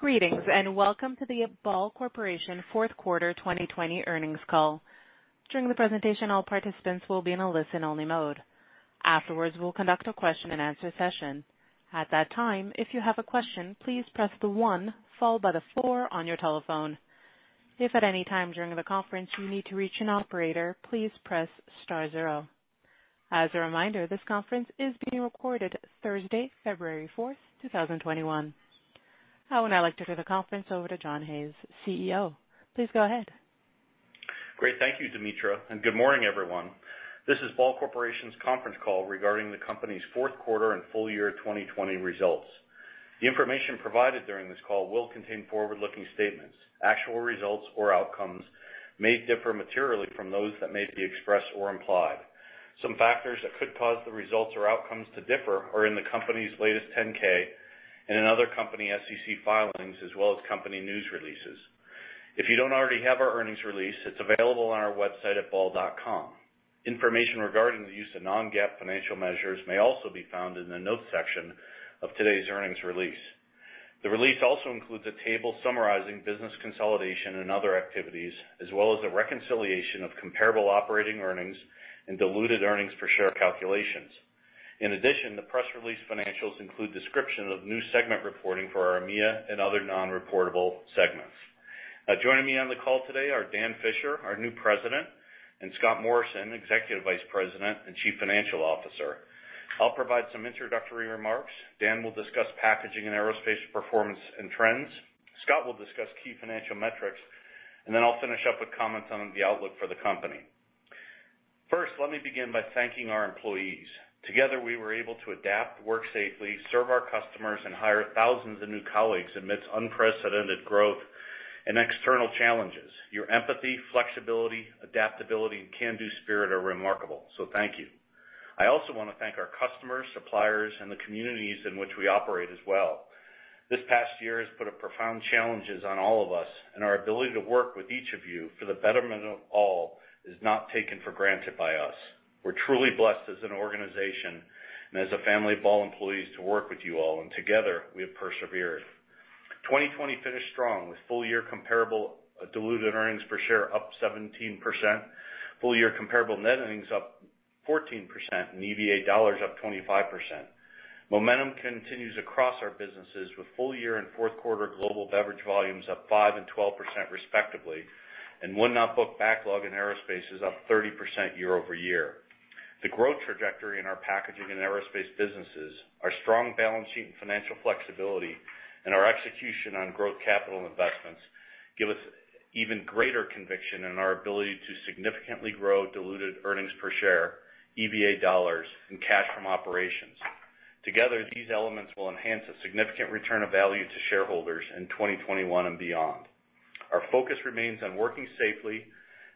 Greetings, and welcome to the Ball Corporation fourth quarter 2020 earnings call. During the presentation, all participants will be in a listen-only mode. Afterwards, we'll conduct a question-and-answer session. At that time, if you have a question, please press one followed by the four on your telephone. If at any time during the conference, you need to reach operator, please press star zero. As a reminder this conference is being recorded Thursday, February 4th, 2021. I would now like to turn the conference over to John Hayes, CEO. Please go ahead. Great. Thank you, Dmitra, and good morning, everyone. This is Ball Corporation's conference call regarding the company's fourth quarter and full year 2020 results. The information provided during this call will contain forward-looking statements. Actual results or outcomes may differ materially from those that may be expressed or implied. Some factors that could cause the results or outcomes to differ are in the company's latest 10-K and in other company SEC filings, as well as company news releases. If you don't already have our earnings release, it's available on our website at ball.com. Information regarding the use of non-GAAP financial measures may also be found in the notes section of today's earnings release. The release also includes a table summarizing business consolidation and other activities, as well as a reconciliation of comparable operating earnings and diluted earnings per share calculations. In addition, the press release financials include description of new segment reporting for our EMEA and other non-reportable segments. Joining me on the call today are Dan Fisher, our new President, and Scott Morrison, Executive Vice President and Chief Financial Officer. I'll provide some introductory remarks. Dan will discuss packaging and aerospace performance and trends. Scott will discuss key financial metrics. I'll finish up with comments on the outlook for the company. Let me begin by thanking our employees. Together, we were able to adapt, work safely, serve our customers, and hire thousands of new colleagues amidst unprecedented growth and external challenges. Your empathy, flexibility, adaptability, and can-do spirit are remarkable. Thank you. I also want to thank our customers, suppliers, and the communities in which we operate as well. This past year has put a profound challenges on all of us, and our ability to work with each of you for the betterment of all is not taken for granted by us. We're truly blessed as an organization and as a family of Ball employees to work with you all, and together, we have persevered. 2020 finished strong with full-year comparable diluted earnings per share up 17%, full-year comparable net earnings up 14%, and EVA dollars up 25%. Momentum continues across our businesses with full-year and fourth quarter global beverage volumes up 5% and 12% respectively, and won-not-booked backlog in Aerospace is up 30% year-over-year. The growth trajectory in our packaging and aerospace businesses, our strong balance sheet and financial flexibility, and our execution on growth capital investments give us even greater conviction in our ability to significantly grow diluted earnings per share, EVA dollars, and cash from operations. Together, these elements will enhance a significant return of value to shareholders in 2021 and beyond. Our focus remains on working safely,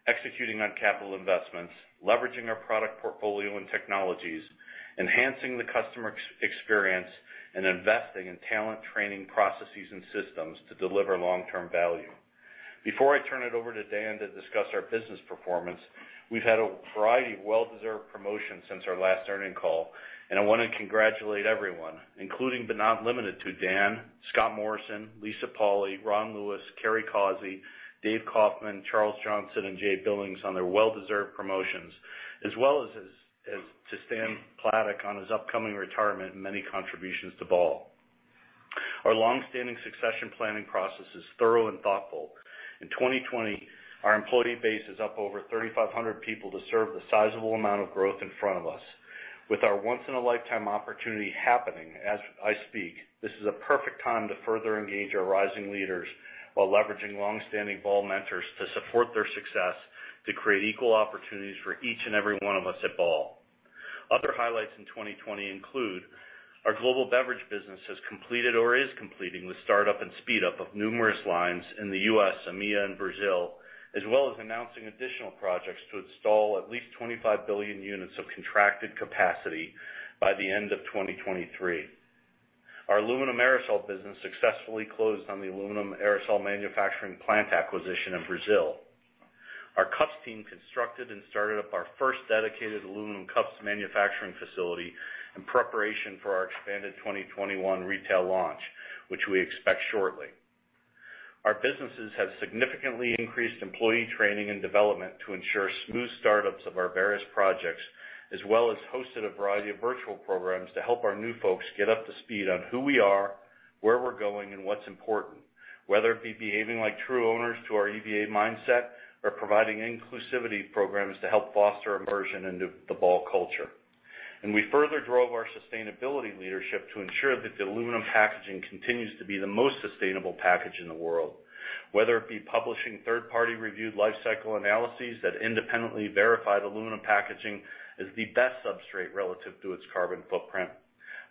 executing on capital investments, leveraging our product portfolio and technologies, enhancing the customer experience, and investing in talent training processes and systems to deliver long-term value. Before I turn it over to Dan to discuss our business performance, we've had a variety of well-deserved promotions since our last earnings call. I want to congratulate everyone, including, but not limited to Dan, Scott Morrison, Lisa Pauley, Ron Lewis, Carey Causey, Dave Kaufman, Charles Johnson, and Jay Billings on their well-deserved promotions, as well as to Stan Platek on his upcoming retirement and many contributions to Ball. Our longstanding succession planning process is thorough and thoughtful. In 2020, our employee base is up over 3,500 people to serve the sizable amount of growth in front of us. With our once-in-a-lifetime opportunity happening as I speak, this is a perfect time to further engage our rising leaders while leveraging longstanding Ball mentors to support their success to create equal opportunities for each and every one of us at Ball. Other highlights in 2020 include our global beverage business has completed or is completing the startup and speed up of numerous lines in the U.S., EMEA, and Brazil, as well as announcing additional projects to install at least 25 billion units of contracted capacity by the end of 2023. Our aluminum aerosol business successfully closed on the aluminum aerosol manufacturing plant acquisition in Brazil. Our cups team constructed and started up our first dedicated aluminum cups manufacturing facility in preparation for our expanded 2021 retail launch, which we expect shortly. Our businesses have significantly increased employee training and development to ensure smooth startups of our various projects, as well as hosted a variety of virtual programs to help our new folks get up to speed on who we are, where we're going, and what's important, whether it be behaving like true owners to our EVA mindset or providing inclusivity programs to help foster immersion into the Ball culture. We further drove our sustainability leadership to ensure that the aluminum packaging continues to be the most sustainable package in the world, whether it be publishing third-party reviewed life cycle analyses that independently verify the aluminum packaging as the best substrate relative to its carbon footprint,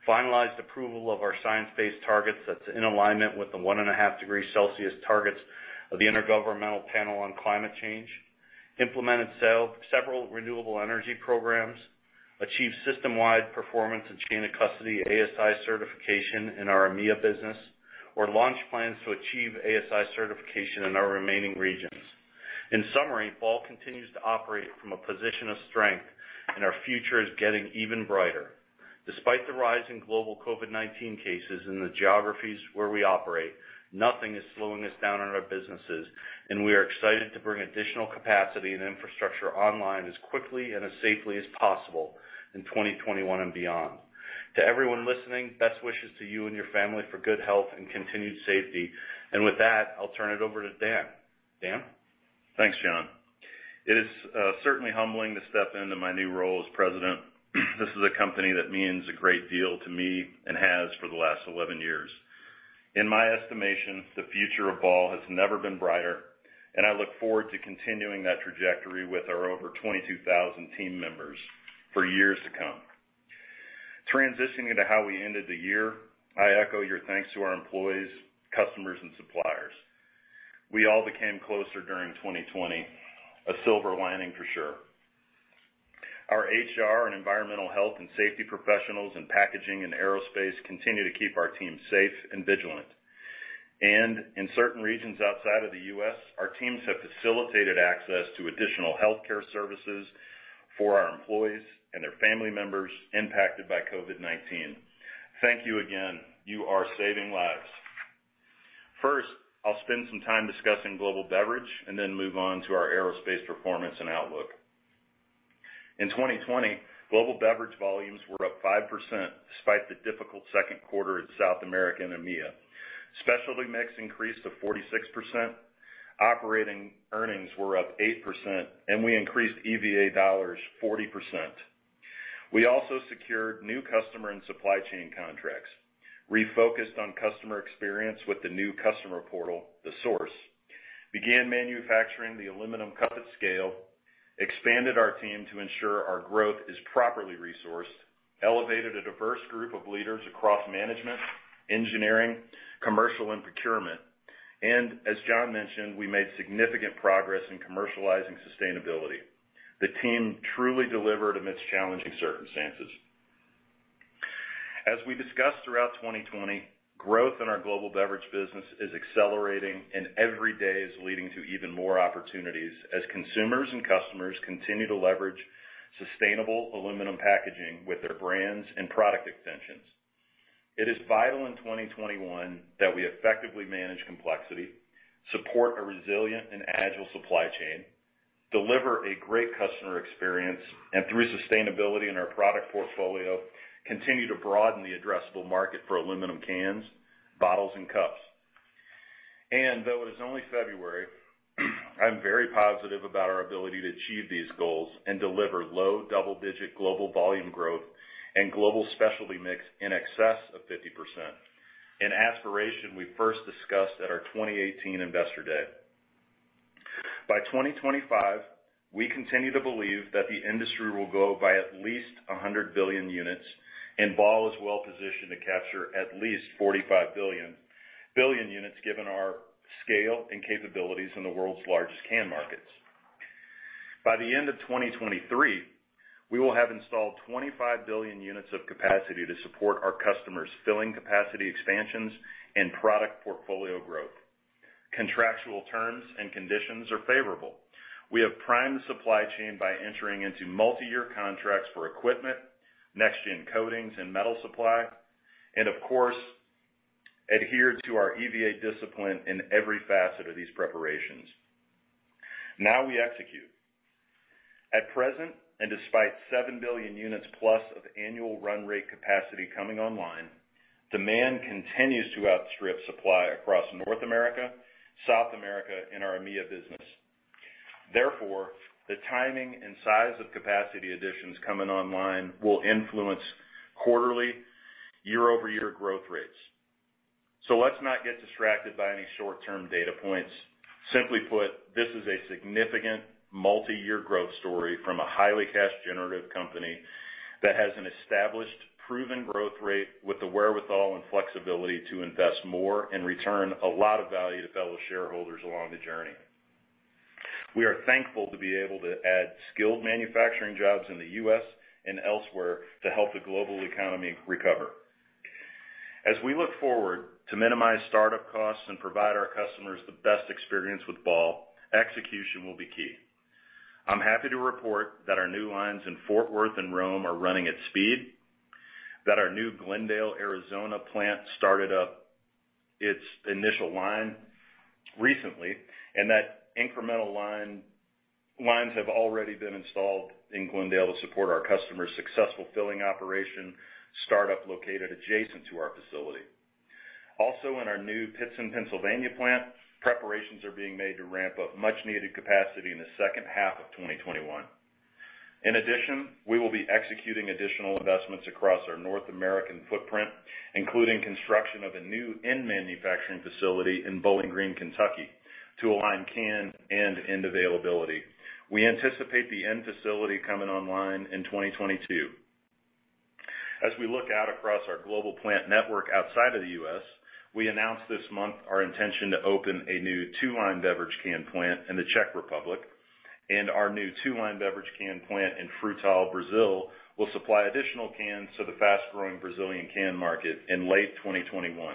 finalized approval of our science-based targets that's in alignment with the 1.5 degree Celsius targets of the Intergovernmental Panel on Climate Change, implemented several renewable energy programs, achieved system-wide performance and chain of custody ASI certification in our EMEA business or launched plans to achieve ASI certification in our remaining regions. In summary, Ball continues to operate from a position of strength, and our future is getting even brighter. Despite the rise in global COVID-19 cases in the geographies where we operate, nothing is slowing us down on our businesses, and we are excited to bring additional capacity and infrastructure online as quickly and as safely as possible in 2021 and beyond. To everyone listening, best wishes to you and your family for good health and continued safety. With that, I'll turn it over to Dan. Dan? Thanks, John. It is certainly humbling to step into my new role as President. This is a company that means a great deal to me and has for the last 11 years. In my estimation, the future of Ball has never been brighter, I look forward to continuing that trajectory with our over 22,000 team members for years to come. Transitioning into how we ended the year, I echo your thanks to our employees, customers, and suppliers. We all became closer during 2020, a silver lining for sure. Our HR and environmental health and safety professionals in packaging and aerospace continue to keep our team safe and vigilant. In certain regions outside of the U.S., our teams have facilitated access to additional healthcare services for our employees and their family members impacted by COVID-19. Thank you again. You are saving lives. First, I'll spend some time discussing global beverage and then move on to our Aerospace performance and outlook. In 2020, global beverage volumes were up 5% despite the difficult second quarter in South America and EMEA. Specialty mix increased to 46%, operating earnings were up 8%, and we increased EVA dollars 40%. We also secured new customer and supply chain contracts, refocused on customer experience with the new customer portal, The Source, began manufacturing the aluminum cup at scale, expanded our team to ensure our growth is properly resourced, elevated a diverse group of leaders across management, engineering, commercial, and procurement. As John mentioned, we made significant progress in commercializing sustainability. The team truly delivered amidst challenging circumstances. As we discussed throughout 2020, growth in our global beverage business is accelerating, and every day is leading to even more opportunities as consumers and customers continue to leverage sustainable aluminum packaging with their brands and product extensions. It is vital in 2021 that we effectively manage complexity, support a resilient and agile supply chain, deliver a great customer experience, and through sustainability in our product portfolio, continue to broaden the addressable market for aluminum cans, bottles, and cups. Though it is only February, I'm very positive about our ability to achieve these goals and deliver low double-digit global volume growth and global specialty mix in excess of 50%, an aspiration we first discussed at our 2018 Investor Day. By 2025, we continue to believe that the industry will grow by at least 100 billion units, and Ball is well-positioned to capture at least 45 billion units given our scale and capabilities in the world's largest can markets. By the end of 2023, we will have installed 25 billion units of capacity to support our customers' filling capacity expansions and product portfolio growth. Contractual terms and conditions are favorable. We have primed the supply chain by entering into multi-year contracts for equipment, next-gen coatings, and metal supply, and of course, adhered to our EVA discipline in every facet of these preparations. Now we execute. At present, and despite 7 billion units plus of annual run rate capacity coming online, demand continues to outstrip supply across North America, South America, and our EMEA business. Therefore, the timing and size of capacity additions coming online will influence quarterly, year-over-year growth rates. Let's not get distracted by any short-term data points. Simply put, this is a significant multi-year growth story from a highly cash-generative company that has an established, proven growth rate with the wherewithal and flexibility to invest more and return a lot of value to fellow shareholders along the journey. We are thankful to be able to add skilled manufacturing jobs in the U.S. and elsewhere to help the global economy recover. As we look forward to minimize startup costs and provide our customers the best experience with Ball, execution will be key. I'm happy to report that our new lines in Fort Worth and Rome are running at speed, that our new Glendale, Arizona plant started up its initial line recently, and that incremental lines have already been installed in Glendale to support our customers' successful filling operation startup located adjacent to our facility. Also, in our new Pittston, Pennsylvania plant, preparations are being made to ramp up much-needed capacity in the second half of 2021. In addition, we will be executing additional investments across our North American footprint, including construction of a new end manufacturing facility in Bowling Green, Kentucky, to align can and end availability. We anticipate the end facility coming online in 2022. As we look out across our global plant network outside of the U.S., we announced this month our intention to open a new two-line beverage can plant in the Czech Republic, and our new two-line beverage can plant in Frutal, Brazil, will supply additional cans to the fast-growing Brazilian can market in late 2021.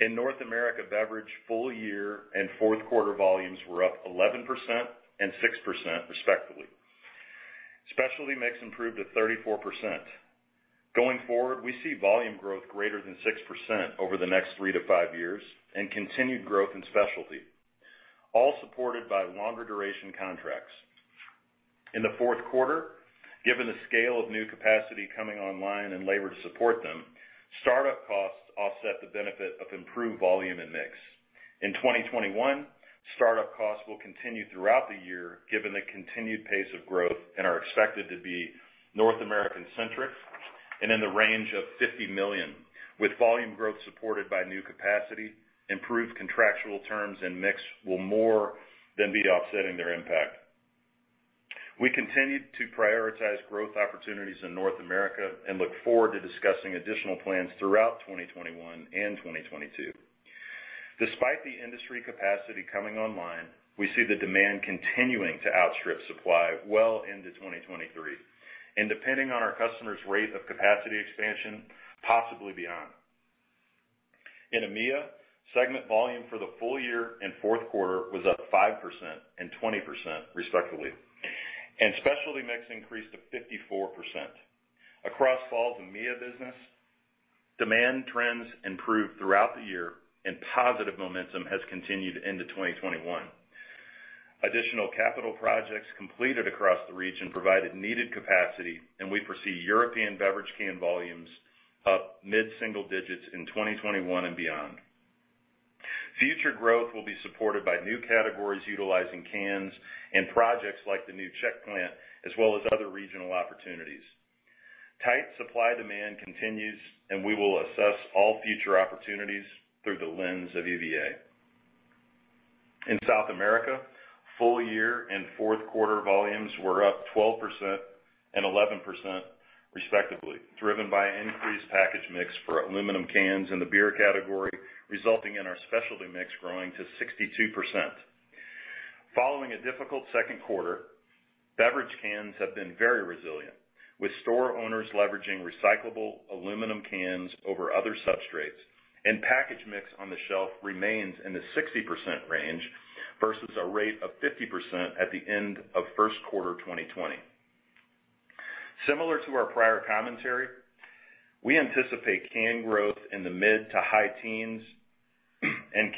In North America beverage full year and fourth quarter volumes were up 11% and 6% respectively. Specialty mix improved to 34%. Going forward, we see volume growth greater than 6% over the next three to five years and continued growth in specialty, all supported by longer duration contracts. In the fourth quarter, given the scale of new capacity coming online and labor to support them, startup costs offset the benefit of improved volume and mix. In 2021, startup costs will continue throughout the year, given the continued pace of growth, and are expected to be North American-centric and in the range of $50 million, with volume growth supported by new capacity, improved contractual terms, and mix will more than be offsetting their impact. We continued to prioritize growth opportunities in North America and look forward to discussing additional plans throughout 2021 and 2022. Despite the industry capacity coming online, we see the demand continuing to outstrip supply well into 2023, and depending on our customers' rate of capacity expansion, possibly beyond. In EMEA, segment volume for the full year and fourth quarter was up 5% and 20% respectively, and specialty mix increased to 54%. Across Ball's EMEA business, demand trends improved throughout the year and positive momentum has continued into 2021. Additional capital projects completed across the region provided needed capacity, and we foresee European beverage can volumes up mid-single digits in 2021 and beyond. Future growth will be supported by new categories utilizing cans and projects like the new Czech plant as well as other regional opportunities. Tight supply-demand continues, and we will assess all future opportunities through the lens of EVA. In South America, full year and fourth quarter volumes were up 12% and 11% respectively, driven by increased package mix for aluminum cans in the beer category, resulting in our specialty mix growing to 62%. Following a difficult second quarter, beverage cans have been very resilient, with store owners leveraging recyclable aluminum cans over other substrates, and package mix on the shelf remains in the 60% range versus a rate of 50% at the end of first quarter 2020. Similar to our prior commentary, we anticipate can growth in the mid to high teens and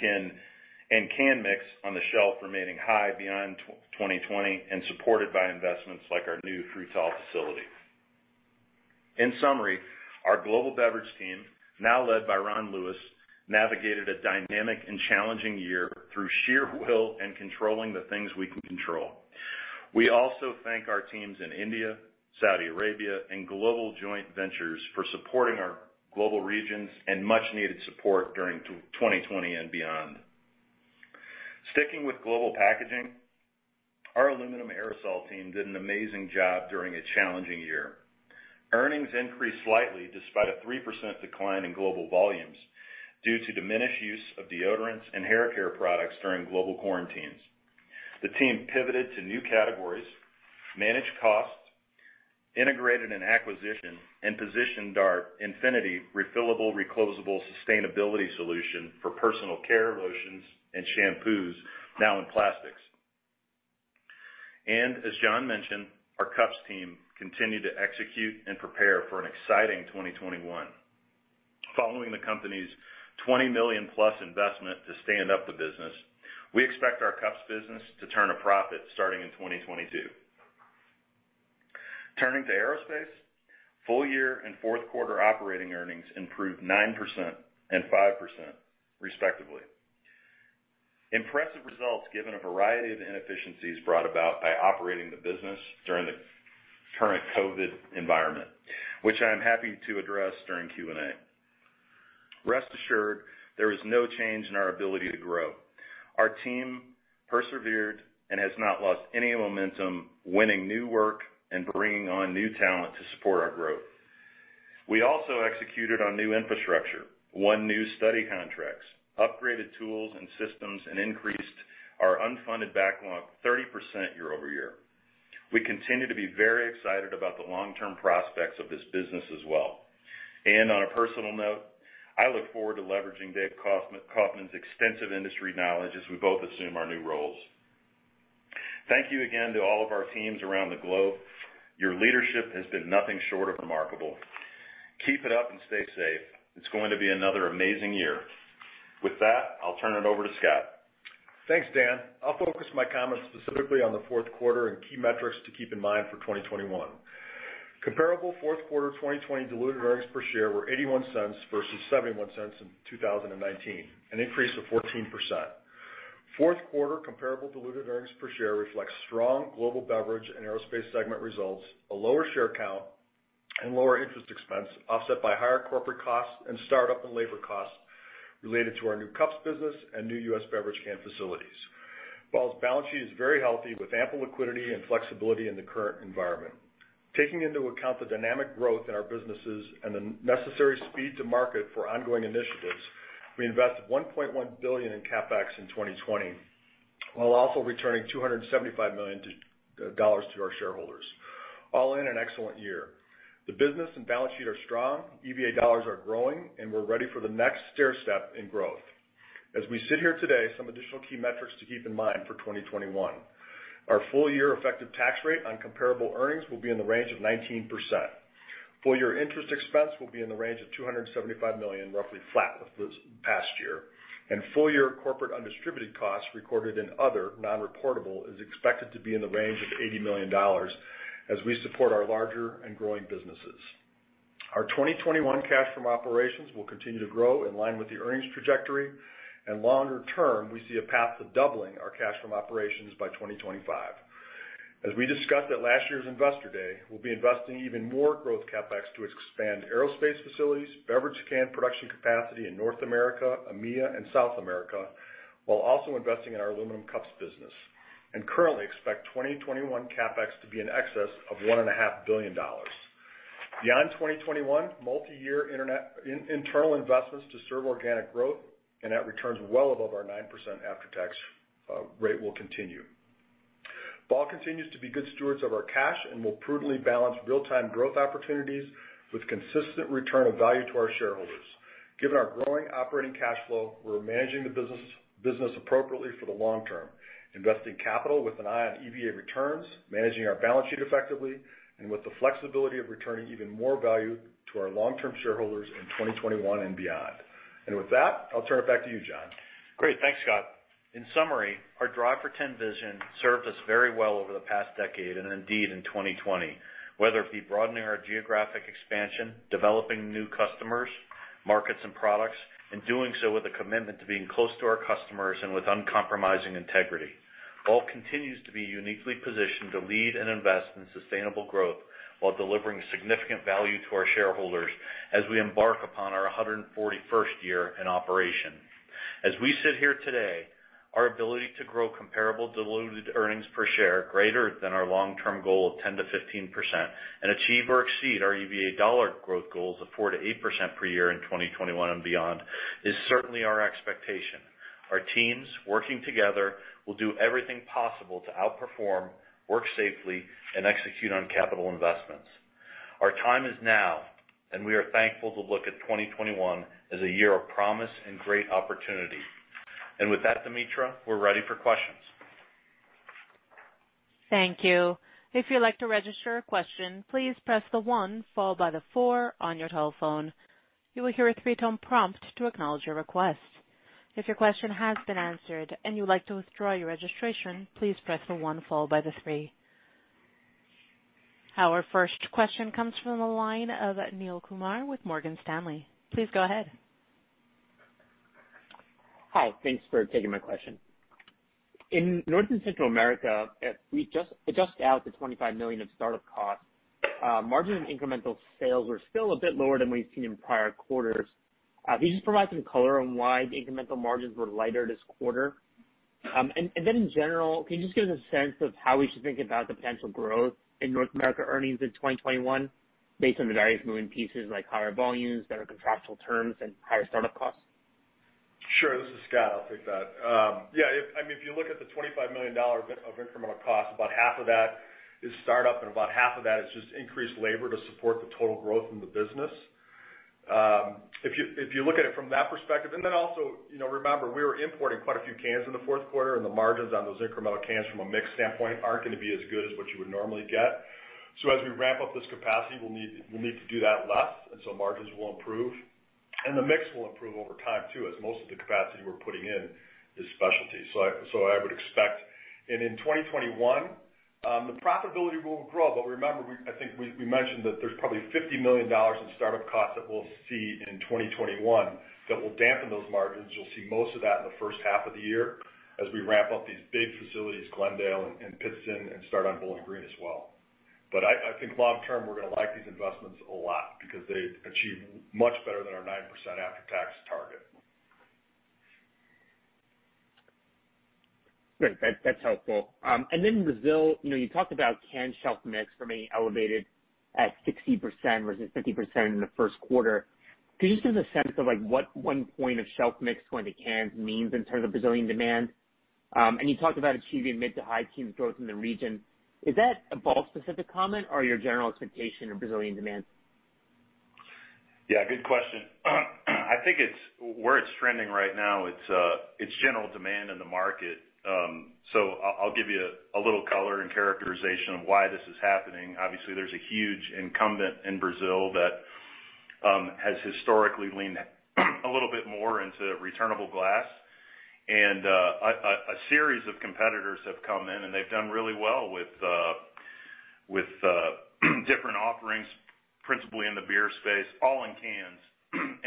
can mix on the shelf remaining high beyond 2020 and supported by investments like our new Frutal facility. In summary, our global beverage team, now led by Ron Lewis, navigated a dynamic and challenging year through sheer will and controlling the things we can control. We also thank our teams in India, Saudi Arabia, and global joint ventures for supporting our global regions and much-needed support during 2020 and beyond. Sticking with global packaging, our aluminum aerosol team did an amazing job during a challenging year. Earnings increased slightly despite a 3% decline in global volumes due to diminished use of deodorants and hair care products during global quarantines. The team pivoted to new categories, managed costs, integrated an acquisition, and positioned our Infinity refillable reclosable sustainability solution for personal care lotions and shampoos now in plastics. As John mentioned, our cups team continued to execute and prepare for an exciting 2021. Following the company's $20 million+ investment to stand up the business, we expect our cups business to turn a profit starting in 2022. Turning to Aerospace. Full year and fourth quarter operating earnings improved 9% and 5% respectively. Impressive results given a variety of inefficiencies brought about by operating the business during the current COVID environment, which I am happy to address during Q&A. Rest assured, there is no change in our ability to grow. Our team persevered and has not lost any momentum, winning new work and bringing on new talent to support our growth. We also executed on new infrastructure, won new study contracts, upgraded tools and systems, and increased our unfunded backlog 30% year-over-year. We continue to be very excited about the long-term prospects of this business as well. On a personal note, I look forward to leveraging Dave Kaufman's extensive industry knowledge as we both assume our new roles. Thank you again to all of our teams around the globe. Your leadership has been nothing short of remarkable. Keep it up and stay safe. It's going to be another amazing year. With that, I'll turn it over to Scott. Thanks, Dan. I'll focus my comments specifically on the fourth quarter and key metrics to keep in mind for 2021. Comparable fourth quarter 2020 diluted earnings per share were $0.81 versus $0.71 in 2019, an increase of 14%. Fourth quarter comparable diluted earnings per share reflects strong Global Beverage and Aerospace segment results, a lower share count, and lower interest expense offset by higher corporate costs and start-up and labor costs related to our new aluminum cups business and new U.S. beverage can facilities. Ball's balance sheet is very healthy, with ample liquidity and flexibility in the current environment. Taking into account the dynamic growth in our businesses and the necessary speed to market for ongoing initiatives. We invested $1.1 billion in CapEx in 2020, while also returning $275 million to our shareholders. All in an excellent year. The business and balance sheet are strong, EVA dollars are growing, and we're ready for the next stairstep in growth. As we sit here today, some additional key metrics to keep in mind for 2021. Our full year effective tax rate on comparable earnings will be in the range of 19%. Full year interest expense will be in the range of $275 million, roughly flat with this past year. Full year corporate undistributed costs recorded in other non-reportable is expected to be in the range of $80 million as we support our larger and growing businesses. Our 2021 cash from operations will continue to grow in line with the earnings trajectory, and longer term, we see a path to doubling our cash from operations by 2025. As we discussed at last year's Investor Day, we'll be investing even more growth CapEx to expand aerospace facilities, beverage can production capacity in North America, EMEA, and South America, while also investing in our aluminum cups business. Currently expect 2021 CapEx to be in excess of $1.5 billion. Beyond 2021, multi-year internal investments to serve organic growth and net returns well above our 9% after-tax rate will continue. Ball continues to be good stewards of our cash and will prudently balance real-time growth opportunities with consistent return of value to our shareholders. Given our growing operating cash flow, we're managing the business appropriately for the long term, investing capital with an eye on EVA returns, managing our balance sheet effectively, and with the flexibility of returning even more value to our long-term shareholders in 2021 and beyond. With that, I'll turn it back to you, John. Great. Thanks, Scott. In summary, our Drive for 10 vision served us very well over the past decade, and indeed in 2020. Whether it be broadening our geographic expansion, developing new customers, markets and products, and doing so with a commitment to being close to our customers and with uncompromising integrity. Ball continues to be uniquely positioned to lead and invest in sustainable growth while delivering significant value to our shareholders as we embark upon our 141st year in operation. As we sit here today, our ability to grow comparable diluted earnings per share greater than our long-term goal of 10%-15% and achieve or exceed our EVA dollar growth goals of 4%-8% per year in 2021 and beyond is certainly our expectation. Our teams working together will do everything possible to outperform, work safely, and execute on capital investments. Our time is now, and we are thankful to look at 2021 as a year of promise and great opportunity. With that, Dmitra, we're ready for questions. Thank you. If you would like to register a question, please press the one followed by four on your telephone. You will hear a three-tone prompt to acknowledge your request. If your question has been answered and you like to withdraw your registration, please press for one followed by the three. Our first question comes from the line of Neel Kumar with Morgan Stanley. Please go ahead. Hi. Thanks for taking my question. In North and Central America, we adjust out the $25 million of startup costs. Margin and incremental sales are still a bit lower than we've seen in prior quarters. Can you just provide some color on why the incremental margins were lighter this quarter? In general, can you just give us a sense of how we should think about the potential growth in North America earnings in 2021 based on the various moving pieces, like higher volumes, better contractual terms, and higher startup costs? Sure. This is Scott. I'll take that. If you look at the $25 million of incremental cost, about half of that is startup and about half of that is just increased labor to support the total growth in the business. If you look at it from that perspective, also remember, we were importing quite a few cans in the fourth quarter, and the margins on those incremental cans from a mix standpoint aren't going to be as good as what you would normally get. As we ramp up this capacity, we'll need to do that less, margins will improve. The mix will improve over time, too, as most of the capacity we're putting in is specialty. I would expect. In 2021, the profitability will grow. Remember, I think we mentioned that there's probably $50 million in startup costs that we'll see in 2021 that will dampen those margins. You'll see most of that in the first half of the year as we ramp up these big facilities, Glendale and Pittston, and start on Bowling Green as well. I think long term, we're going to like these investments a lot because they achieve much better than our 9% after-tax target. Great. That's helpful. Brazil, you talked about can shelf mix remaining elevated at 60% versus 50% in the first quarter. Could you just give a sense of what one point of shelf mix going to cans means in terms of Brazilian demand? You talked about achieving mid to high teen growth in the region. Is that a Ball specific comment or your general expectation of Brazilian demand? Yeah, good question. Where it's trending right now, it's general demand in the market. I'll give you a little color and characterization of why this is happening. Obviously, there's a huge incumbent in Brazil that has historically leaned a little bit more into returnable glass. A series of competitors have come in, and they've done really well with different offerings, principally in the beer space, all in cans.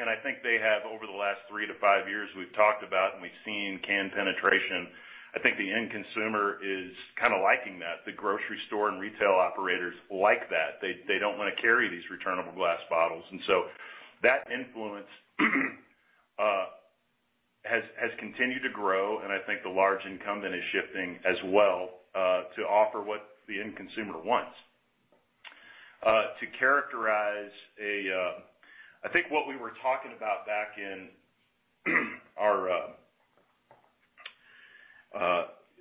I think they have over the last three to five years, we've talked about and we've seen can penetration. I think the end consumer is kind of liking that. The grocery store and retail operators like that. They don't want to carry these returnable glass bottles. That influence has continued to grow, and I think the large incumbent is shifting as well to offer what the end consumer wants. To characterize, I think what we were talking about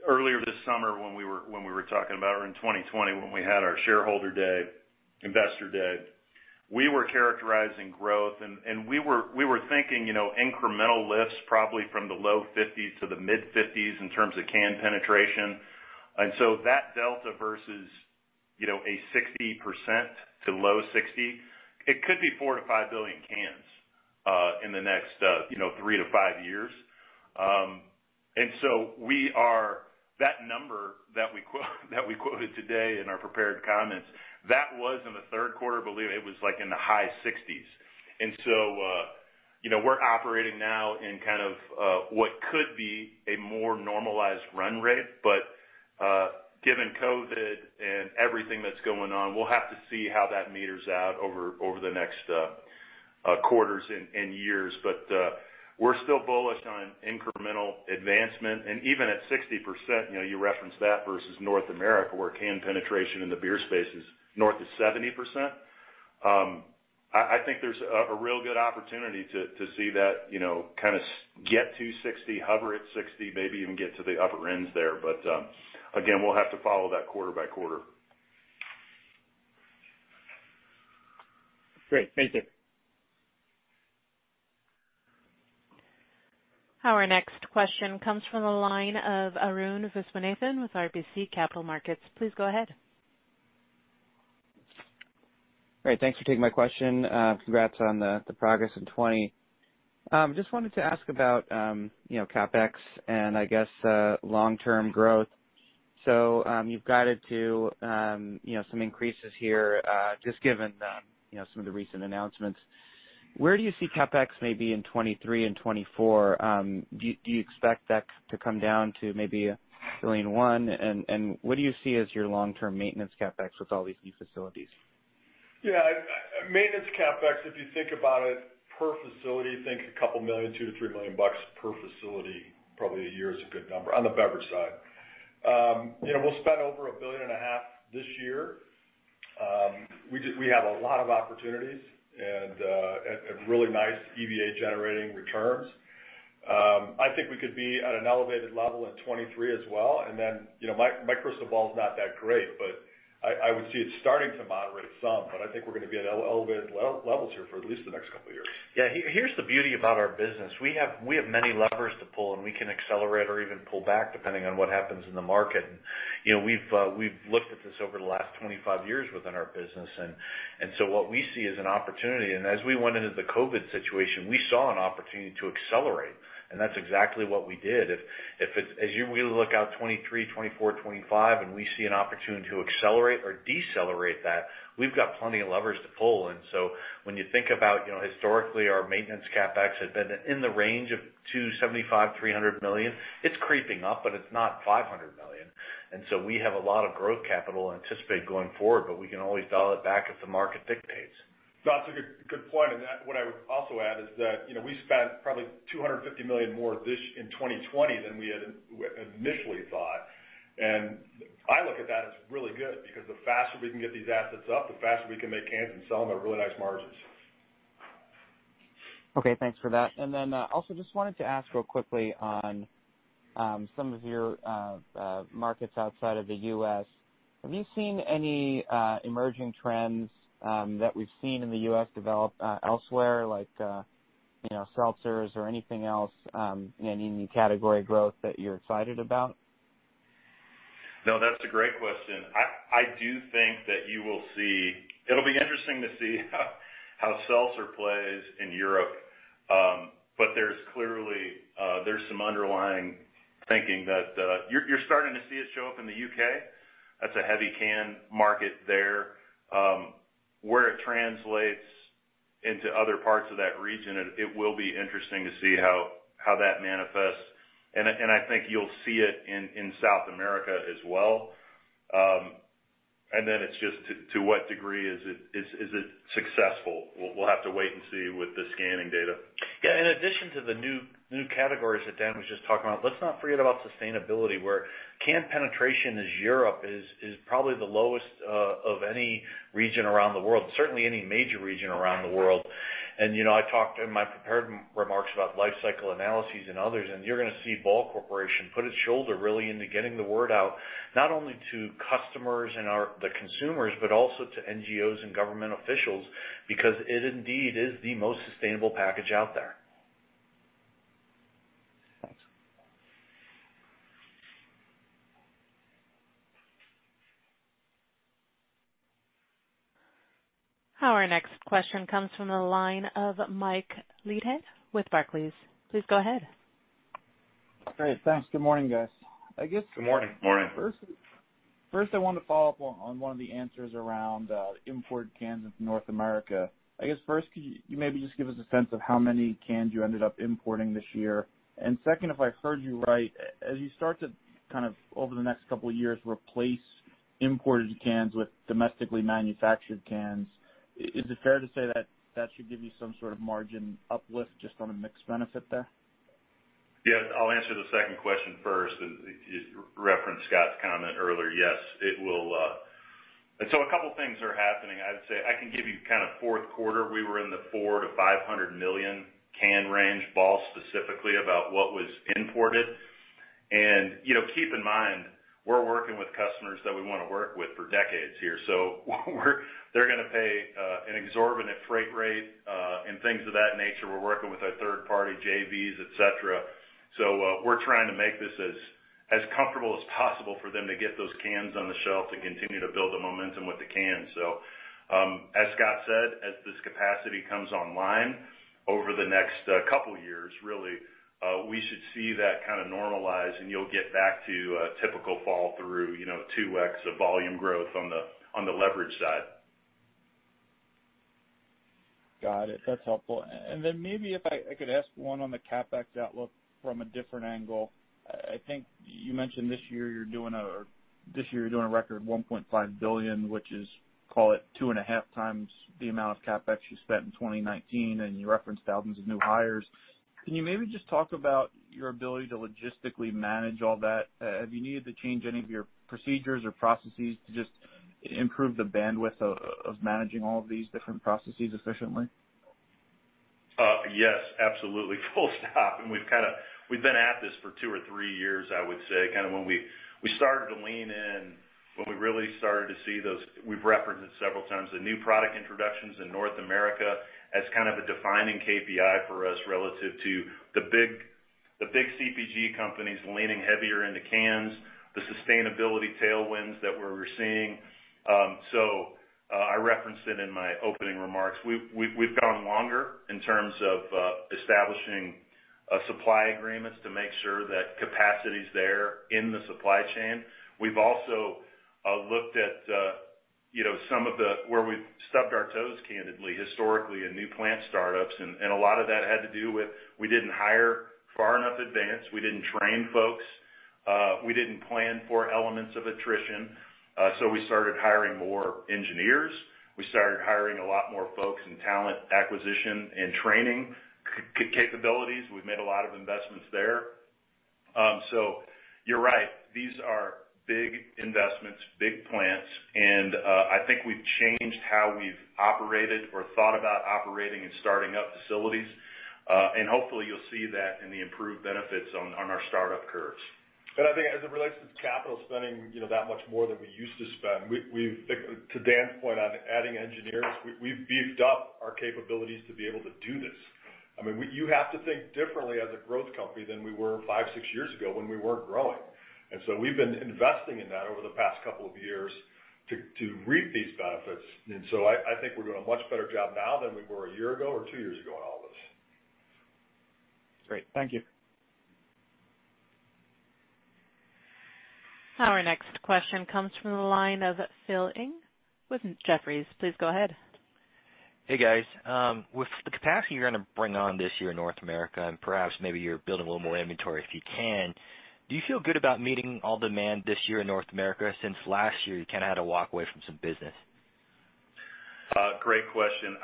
earlier this summer when we were talking about 2020, when we had our Shareholder Day, Investor Day, we were characterizing growth, and we were thinking incremental lifts, probably from the low 50s to the mid 50s in terms of can penetration. That delta versus a 60% to low 60%, it could be 4 billion-5 billion cans in the next three to five years. That number that we quoted today in our prepared comments, that was in the third quarter, believe it was like in the high 60s. We're operating now in what could be a more normalized run rate. Given COVID and everything that's going on, we'll have to see how that meters out over the next quarters and years. We're still bullish on incremental advancement. Even at 60%, you referenced that versus North America, where can penetration in the beer space is north of 70%. I think there's a real good opportunity to see that get to 60%, hover at 60%, maybe even get to the upper ends there. Again, we'll have to follow that quarter-by-quarter. Great. Thanks you. Our next question comes from the line of Arun Viswanathan with RBC Capital Markets. Please go ahead. Great. Thanks for taking my question. Congrats on the progress in 2020. Just wanted to ask about CapEx and I guess long-term growth. You've guided to some increases here, just given some of the recent announcements. Where do you see CapEx maybe in 2023 and 2024? Do you expect that to come down to maybe $1 billion and What do you see as your long-term maintenance CapEx with all these new facilities? Yeah. Maintenance CapEx, if you think about it per facility, think a couple million, $2 million-$3 million per facility, probably a year is a good number on the beverage side. We'll spend over $1.5 billion this year. We have a lot of opportunities and really nice EVA-generating returns. I think we could be at an elevated level in 2023 as well. My crystal ball's not that great, but I would see it starting to moderate some, but I think we're going to be at elevated levels here for at least the next couple of years. Yeah. Here's the beauty about our business. We have many levers to pull, and we can accelerate or even pull back depending on what happens in the market. We've looked at this over the last 25 years within our business, and so what we see is an opportunity. As we went into the COVID situation, we saw an opportunity to accelerate, and that's exactly what we did. As we look out 2023, 2024, 2025, and we see an opportunity to accelerate or decelerate that, we've got plenty of levers to pull. When you think about historically, our maintenance CapEx had been in the range of $275 million, $300 million. It's creeping up, but it's not $500 million. We have a lot of growth capital anticipated going forward, but we can always dial it back if the market dictates. That's a good point. What I would also add is that we spent probably $250 million more in 2020 than we had initially thought. I look at that as really good, because the faster we can get these assets up, the faster we can make cans and sell them at really nice margins. Okay, thanks for that. Also just wanted to ask real quickly on some of your markets outside of the U.S. Have you seen any emerging trends that we've seen in the U.S. develop elsewhere, like seltzers or anything else, any new category growth that you're excited about? No, that's a great question. I do think that it'll be interesting to see how seltzer plays in Europe. There's clearly some underlying thinking that you're starting to see it show up in the U.K. That's a heavy can market there. Where it translates into other parts of that region, it will be interesting to see how that manifests. I think you'll see it in South America as well. It's just to what degree is it successful? We'll have to wait and see with the scanning data. Yeah, in addition to the new categories that Dan was just talking about, let's not forget about sustainability, where can penetration is Europe is probably the lowest of any region around the world, certainly any major region around the world. I talked in my prepared remarks about life cycle analyses and others. You're going to see Ball Corporation put its shoulder really into getting the word out, not only to customers and the consumers, but also to NGOs and government officials, because it indeed is the most sustainable package out there. Thanks. Our next question comes from the line of Mike Leithead with Barclays. Please go ahead. Great. Thanks. Good morning, guys. Good morning. Morning. First I wanted to follow up on one of the answers around imported cans into North America. I guess first, could you maybe just give us a sense of how many cans you ended up importing this year? Second, if I heard you right, as you start to kind of over the next couple of years, replace imported cans with domestically manufactured cans, is it fair to say that that should give you some sort of margin uplift just on a mix benefit there? Yes, I'll answer the second question first, as you referenced Scott's comment earlier. Yes, it will. A couple things are happening. I'd say I can give you kind of fourth quarter, we were in the 400 million-500 million can range, Ball specifically, about what was imported. Keep in mind, we're working with customers that we want to work with for decades here. They're going to pay an exorbitant freight rate and things of that nature. We're working with our third party JVs, etc. We're trying to make this as comfortable as possible for them to get those cans on the shelf to continue to build the momentum with the cans. As Scott said, as this capacity comes online over the next couple years, really, we should see that kind of normalize and you'll get back to a typical fall through, 2x of volume growth on the leverage side. Got it. That's helpful. Maybe if I could ask one on the CapEx outlook from a different angle. I think you mentioned this year you're doing a record $1.5 billion, which is, call it 2.5x The amount of CapEx you spent in 2019, and you referenced thousands of new hires. Can you maybe just talk about your ability to logistically manage all that? Have you needed to change any of your procedures or processes to just improve the bandwidth of managing all of these different processes efficiently? Yes, absolutely. Full stop. We've been at this for two or three years, I would say. Kind of when we started to lean in, when we really started to see those, we've referenced it several times, the new product introductions in North America as kind of a defining KPI for us relative to the big CPG companies leaning heavier into cans, the sustainability tailwinds that we're seeing. I referenced it in my opening remarks. We've gone longer in terms of establishing supply agreements to make sure that capacity's there in the supply chain. We've also looked at where we've stubbed our toes, candidly, historically, in new plant startups, and a lot of that had to do with we didn't hire far enough advance. We didn't train folks. We didn't plan for elements of attrition. We started hiring more engineers. We started hiring a lot more folks in talent acquisition and training capabilities. We've made a lot of investments there. You're right. These are big investments, big plants, and I think we've changed how we've operated or thought about operating and starting up facilities. Hopefully you'll see that in the improved benefits on our startup curves. I think as it relates to the capital spending that much more than we used to spend, to Dan's point on adding engineers, we've beefed up our capabilities to be able to do this. You have to think differently as a growth company than we were five, six years ago when we weren't growing. We've been investing in that over the past couple of years to reap these benefits. I think we're doing a much better job now than we were a year ago or two years ago on all this. Great. Thank you. Our next question comes from the line of Phil Ng with Jefferies. Please go ahead. Hey, guys. With the capacity you're going to bring on this year in North America, and perhaps maybe you're building a little more inventory if you can, do you feel good about meeting all demand this year in North America, since last year you kind of had to walk away from some business? Great question.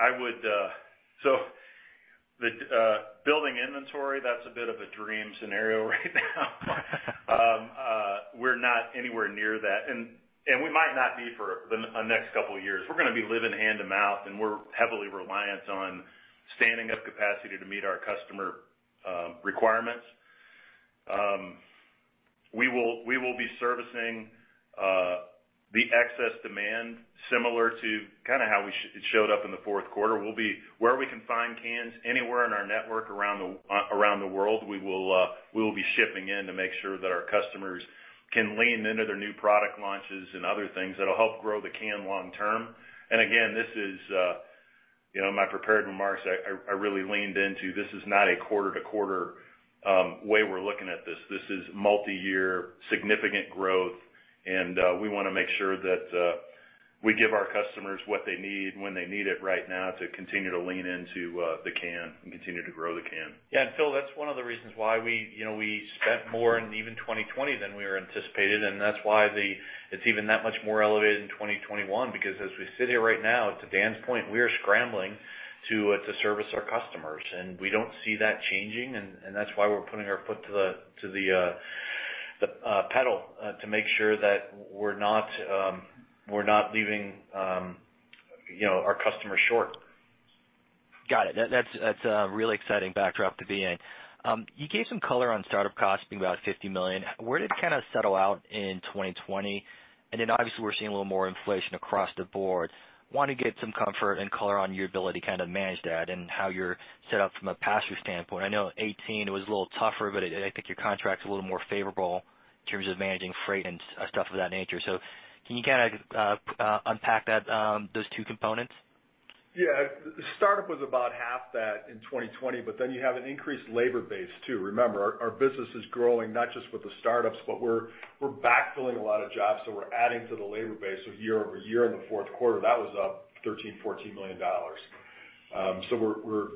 The building inventory, that's a bit of a dream scenario right now. We're not anywhere near that, and we might not be for the next couple of years. We're going to be living hand-to-mouth, and we're heavily reliant on standing up capacity to meet our customer requirements. We will be servicing the excess demand similar to how it showed up in the fourth quarter. Where we can find cans anywhere in our network around the world, we will be shipping in to make sure that our customers can lean into their new product launches and other things that'll help grow the can long term. Again, in my prepared remarks, I really leaned into, this is not a quarter-to-quarter way we're looking at this. This is multi-year significant growth, and we want to make sure that we give our customers what they need when they need it right now to continue to lean into the can and continue to grow the can. Yeah, Phil, that's one of the reasons why we spent more in even 2020 than we were anticipating. That's why it's even that much more elevated in 2021, because as we sit here right now, to Dan's point, we are scrambling to service our customers. We don't see that changing. That's why we're putting our foot to the pedal to make sure that we're not leaving our customers short. Got it. That's a really exciting backdrop to be in. You gave some color on startup costing about $50 million. Where did it kind of settle out in 2020? Obviously, we're seeing a little more inflation across the board. Want to get some comfort and color on your ability to manage that and how you're set up from a pass-through standpoint. I know 2018 it was a little tougher, I think your contract's a little more favorable in terms of managing freight and stuff of that nature. Can you kind of unpack those two components? Yeah. Startup was about half that in 2020, you have an increased labor base, too. Remember, our business is growing not just with the startups, but we're backfilling a lot of jobs, we're adding to the labor base. Year-over-year in the fourth quarter, that was up $13 million-$14 million. We're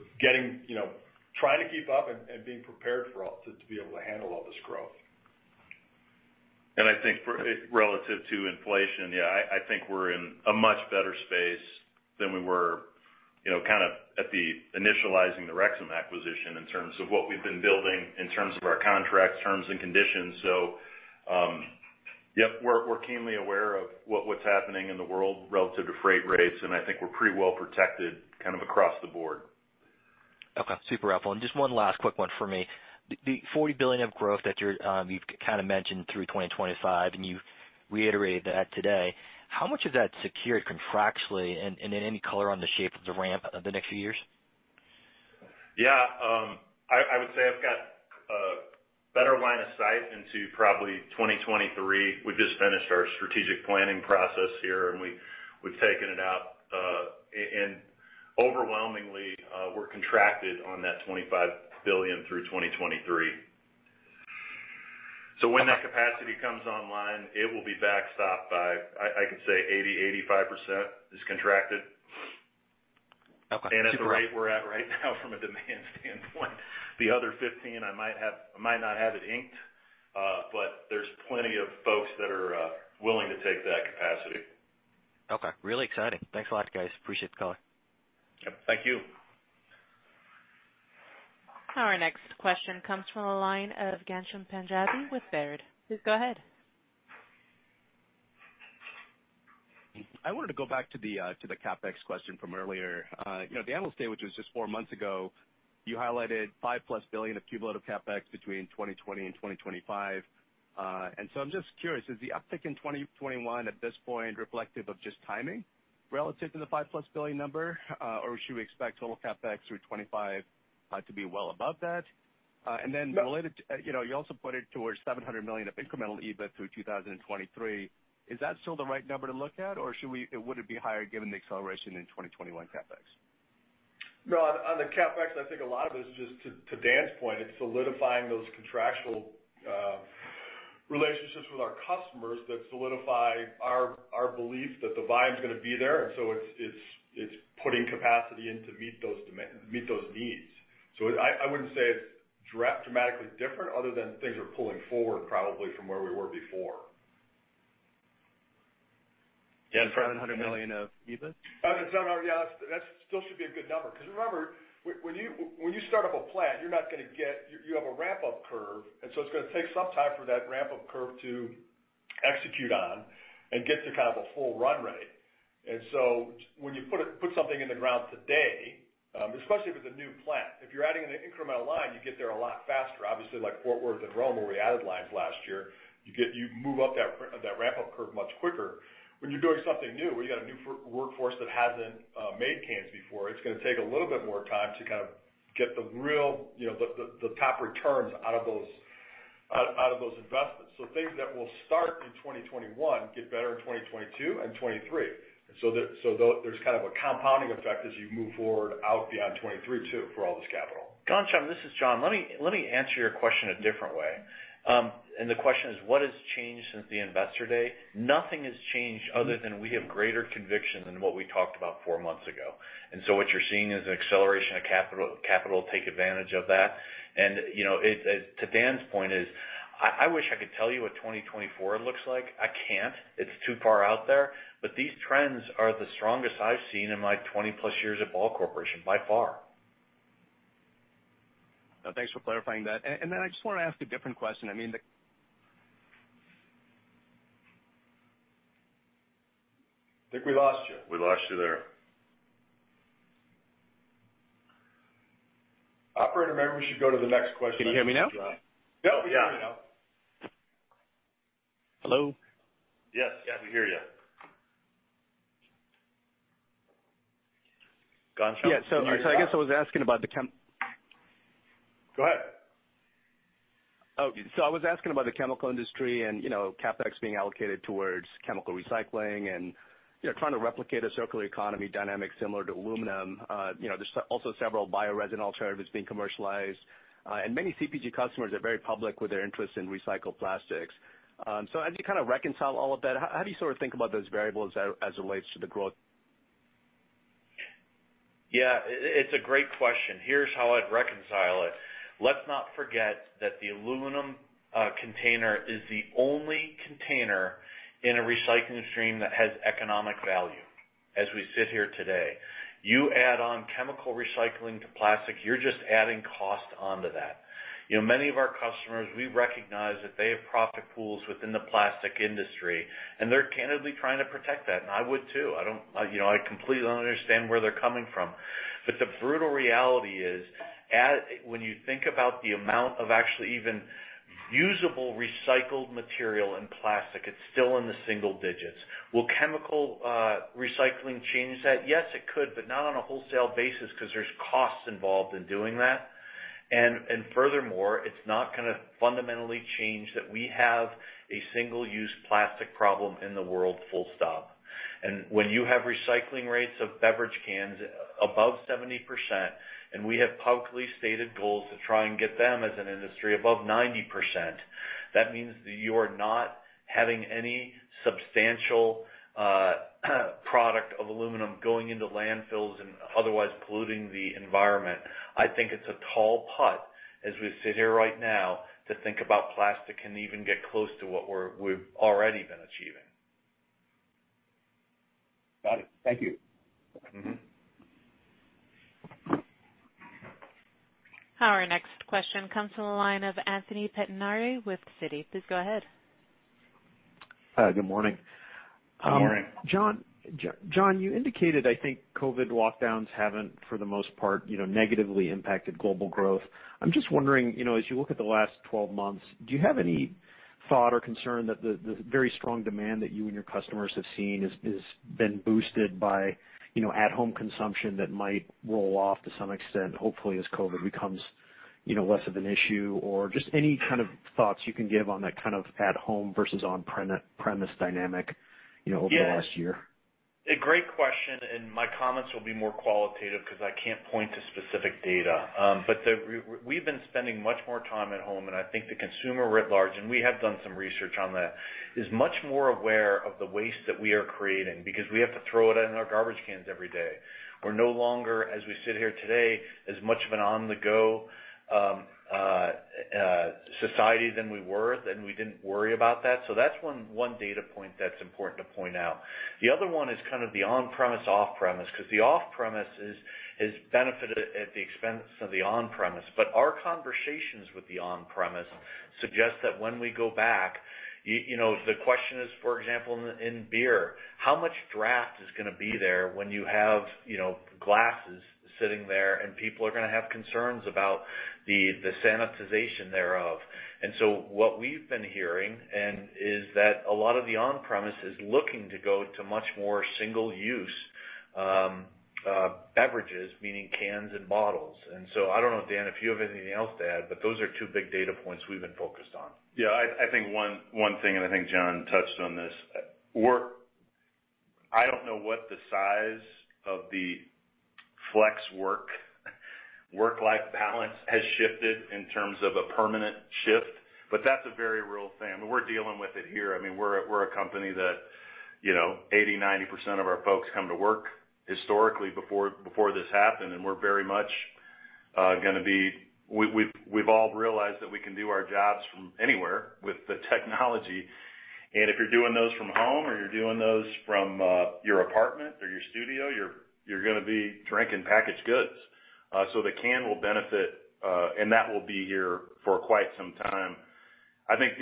trying to keep up and being prepared to be able to handle all this growth. I think relative to inflation, yeah, I think we're in a much better space than we were at the initializing the Rexam acquisition in terms of what we've been building in terms of our contracts, terms, and conditions. Yep, we're keenly aware of what's happening in the world relative to freight rates, and I think we're pretty well protected across the board. Okay. Super helpful. Just one last quick one for me. The $40 billion of growth that you've mentioned through 2025, and you reiterated that today, how much of that is secured contractually, and then any color on the shape of the ramp of the next few years? Yeah. I would say I've got a better line of sight into probably 2023. We just finished our strategic planning process here, we've taken it out. Overwhelmingly, we're contracted on that $25 billion through 2023. When that capacity comes online, it will be backstopped by, I could say 80%, 85% is contracted. Okay. At the rate we're at right now from a demand standpoint, the other 15%, I might not have it inked, but there's plenty of folks that are willing to take that capacity. Okay. Really exciting. Thanks a lot, guys. Appreciate the call. Yep. Thank you. Our next question comes from the line of Ghansham Panjabi with Baird. Please go ahead. I wanted to go back to the CapEx question from earlier. At the analyst day, which was just four months ago, you highlighted $5+ billion of cumulative CapEx between 2020 and 2025. I'm just curious, is the uptick in 2021 at this point reflective of just timing relative to the $5+ billion number? Or should we expect total CapEx through 2025 to be well above that? No. Related, you also pointed towards $700 million of incremental EBIT through 2023. Is that still the right number to look at, or would it be higher given the acceleration in 2021 CapEx? On the CapEx, I think a lot of it is just to Dan's point, it's solidifying those contractual relationships with our customers that solidify our belief that the volume's going to be there. It's putting capacity in to meet those needs. I wouldn't say it's dramatically different other than things are pulling forward probably from where we were before. For that $100 million of EBIT? Yeah, that still should be a good number, because remember, when you start up a plant, you have a ramp-up curve. It's going to take some time for that ramp-up curve to execute on and get to a full run rate. When you put something in the ground today, especially if it's a new plant, if you're adding an incremental line, you get there a lot faster. Obviously, like Fort Worth and Rome, where we added lines last year, you move up that ramp-up curve much quicker. When you're doing something new, where you got a new workforce that hasn't made cans before, it's going to take a little bit more time to get the top returns out of those investments. Things that will start in 2021 get better in 2022 and 2023. There's a compounding effect as you move forward out beyond 2023, too, for all this capital. Ghansham, this is John. Let me answer your question a different way. The question is, what has changed since the Investor Day? Nothing has changed other than we have greater conviction than what we talked about four months ago. What you're seeing is an acceleration of capital to take advantage of that. To Dan's point is, I wish I could tell you what 2024 looks like. I can't. It's too far out there. These trends are the strongest I've seen in my 20+ years at Ball Corporation, by far. Thanks for clarifying that. I just want to ask a different question. I think we lost you. We lost you there. Operator, maybe we should go to the next question. Can you hear me now? Yep. We can hear you now. Hello? Yes. Yeah, we hear you. Ghansham, can you hear me? Yeah. I guess I was asking about the chem-. Go ahead. I was asking about the chemical industry and CapEx being allocated towards chemical recycling and trying to replicate a circular economy dynamic similar to aluminum. There's also several bioresin alternatives being commercialized. Many CPG customers are very public with their interest in recycled plastics. How do you reconcile all of that? How do you think about those variables as it relates to the growth? Yeah. It's a great question. Here's how I'd reconcile it. Let's not forget that the aluminum container is the only container in a recycling stream that has economic value as we sit here today. You add on chemical recycling to plastic, you're just adding cost onto that. Many of our customers, we recognize that they have profit pools within the plastic industry, and they're candidly trying to protect that, and I would too. I completely understand where they're coming from. The brutal reality is, when you think about the amount of actually even usable recycled material in plastic, it's still in the single digits. Will chemical recycling change that? Yes, it could, but not on a wholesale basis because there's costs involved in doing that. Furthermore, it's not going to fundamentally change that we have a single-use plastic problem in the world, full stop. When you have recycling rates of beverage cans above 70%, and we have publicly stated goals to try and get them as an industry above 90%, that means that you are not having any substantial product of aluminum going into landfills and otherwise polluting the environment. I think it's a tall putt as we sit here right now to think about plastic can even get close to what we've already been achieving. Got it. Thank you. Our next question comes from the line of Anthony Pettinari with Citi. Please go ahead. Good morning. Good morning. John, you indicated, I think, COVID lockdowns haven't, for the most part, negatively impacted global growth. I'm just wondering, as you look at the last 12 months, do you have any thought or concern that the very strong demand that you and your customers have seen has been boosted by at-home consumption that might roll off to some extent, hopefully, as COVID becomes less of an issue? Or just any kind of thoughts you can give on that at-home versus on-premise dynamic over the last year? Yeah. A great question. My comments will be more qualitative because I can't point to specific data. We've been spending much more time at home, and I think the consumer writ large, and we have done some research on that, is much more aware of the waste that we are creating because we have to throw it in our garbage cans every day. We're no longer, as we sit here today, as much of an on-the-go society than we were, then we didn't worry about that. That's one data point that's important to point out. The other one is the on-premise, off-premise, because the off-premise has benefited at the expense of the on-premise. Our conversations with the on-premise suggest that when we go back, the question is, for example, in beer, how much draft is going to be there when you have glasses sitting there and people are going to have concerns about the sanitization thereof? What we've been hearing is that a lot of the on-premise is looking to go to much more single-use beverages, meaning cans and bottles. I don't know, Dan, if you have anything else to add, but those are two big data points we've been focused on. I think one thing, and I think John touched on this, I don't know what the size of the flex work/work life balance has shifted in terms of a permanent shift, that's a very real thing. We're dealing with it here. We're a company that 80%-90% of our folks come to work historically, before this happened. We've all realized that we can do our jobs from anywhere with the technology. If you're doing those from home or you're doing those from your apartment or your studio, you're going to be drinking packaged goods. The can will benefit, and that will be here for quite some time. I think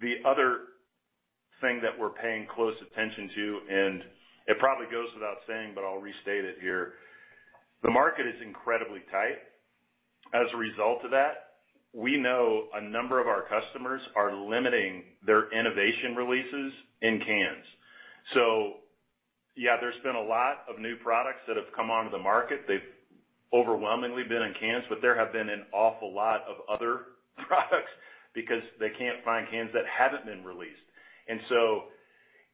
the other thing that we're paying close attention to, and it probably goes without saying, but I'll restate it here, the market is incredibly tight. As a result of that, we know a number of our customers are limiting their innovation releases in cans. Yeah, there's been a lot of new products that have come onto the market. They've overwhelmingly been in cans, there have been an awful lot of other products because they can't find cans that haven't been released.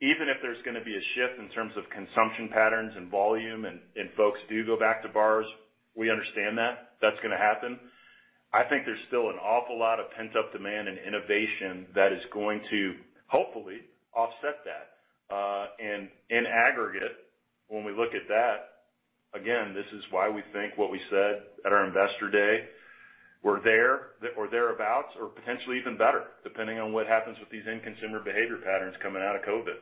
Even if there's going to be a shift in terms of consumption patterns and volume and folks do go back to bars, we understand that that's going to happen. I think there's still an awful lot of pent-up demand and innovation that is going to hopefully offset that. In aggregate, when we look at that, again, this is why we think what we said at our Investor Day, we're there or thereabout, or potentially even better, depending on what happens with these end consumer behavior patterns coming out of COVID.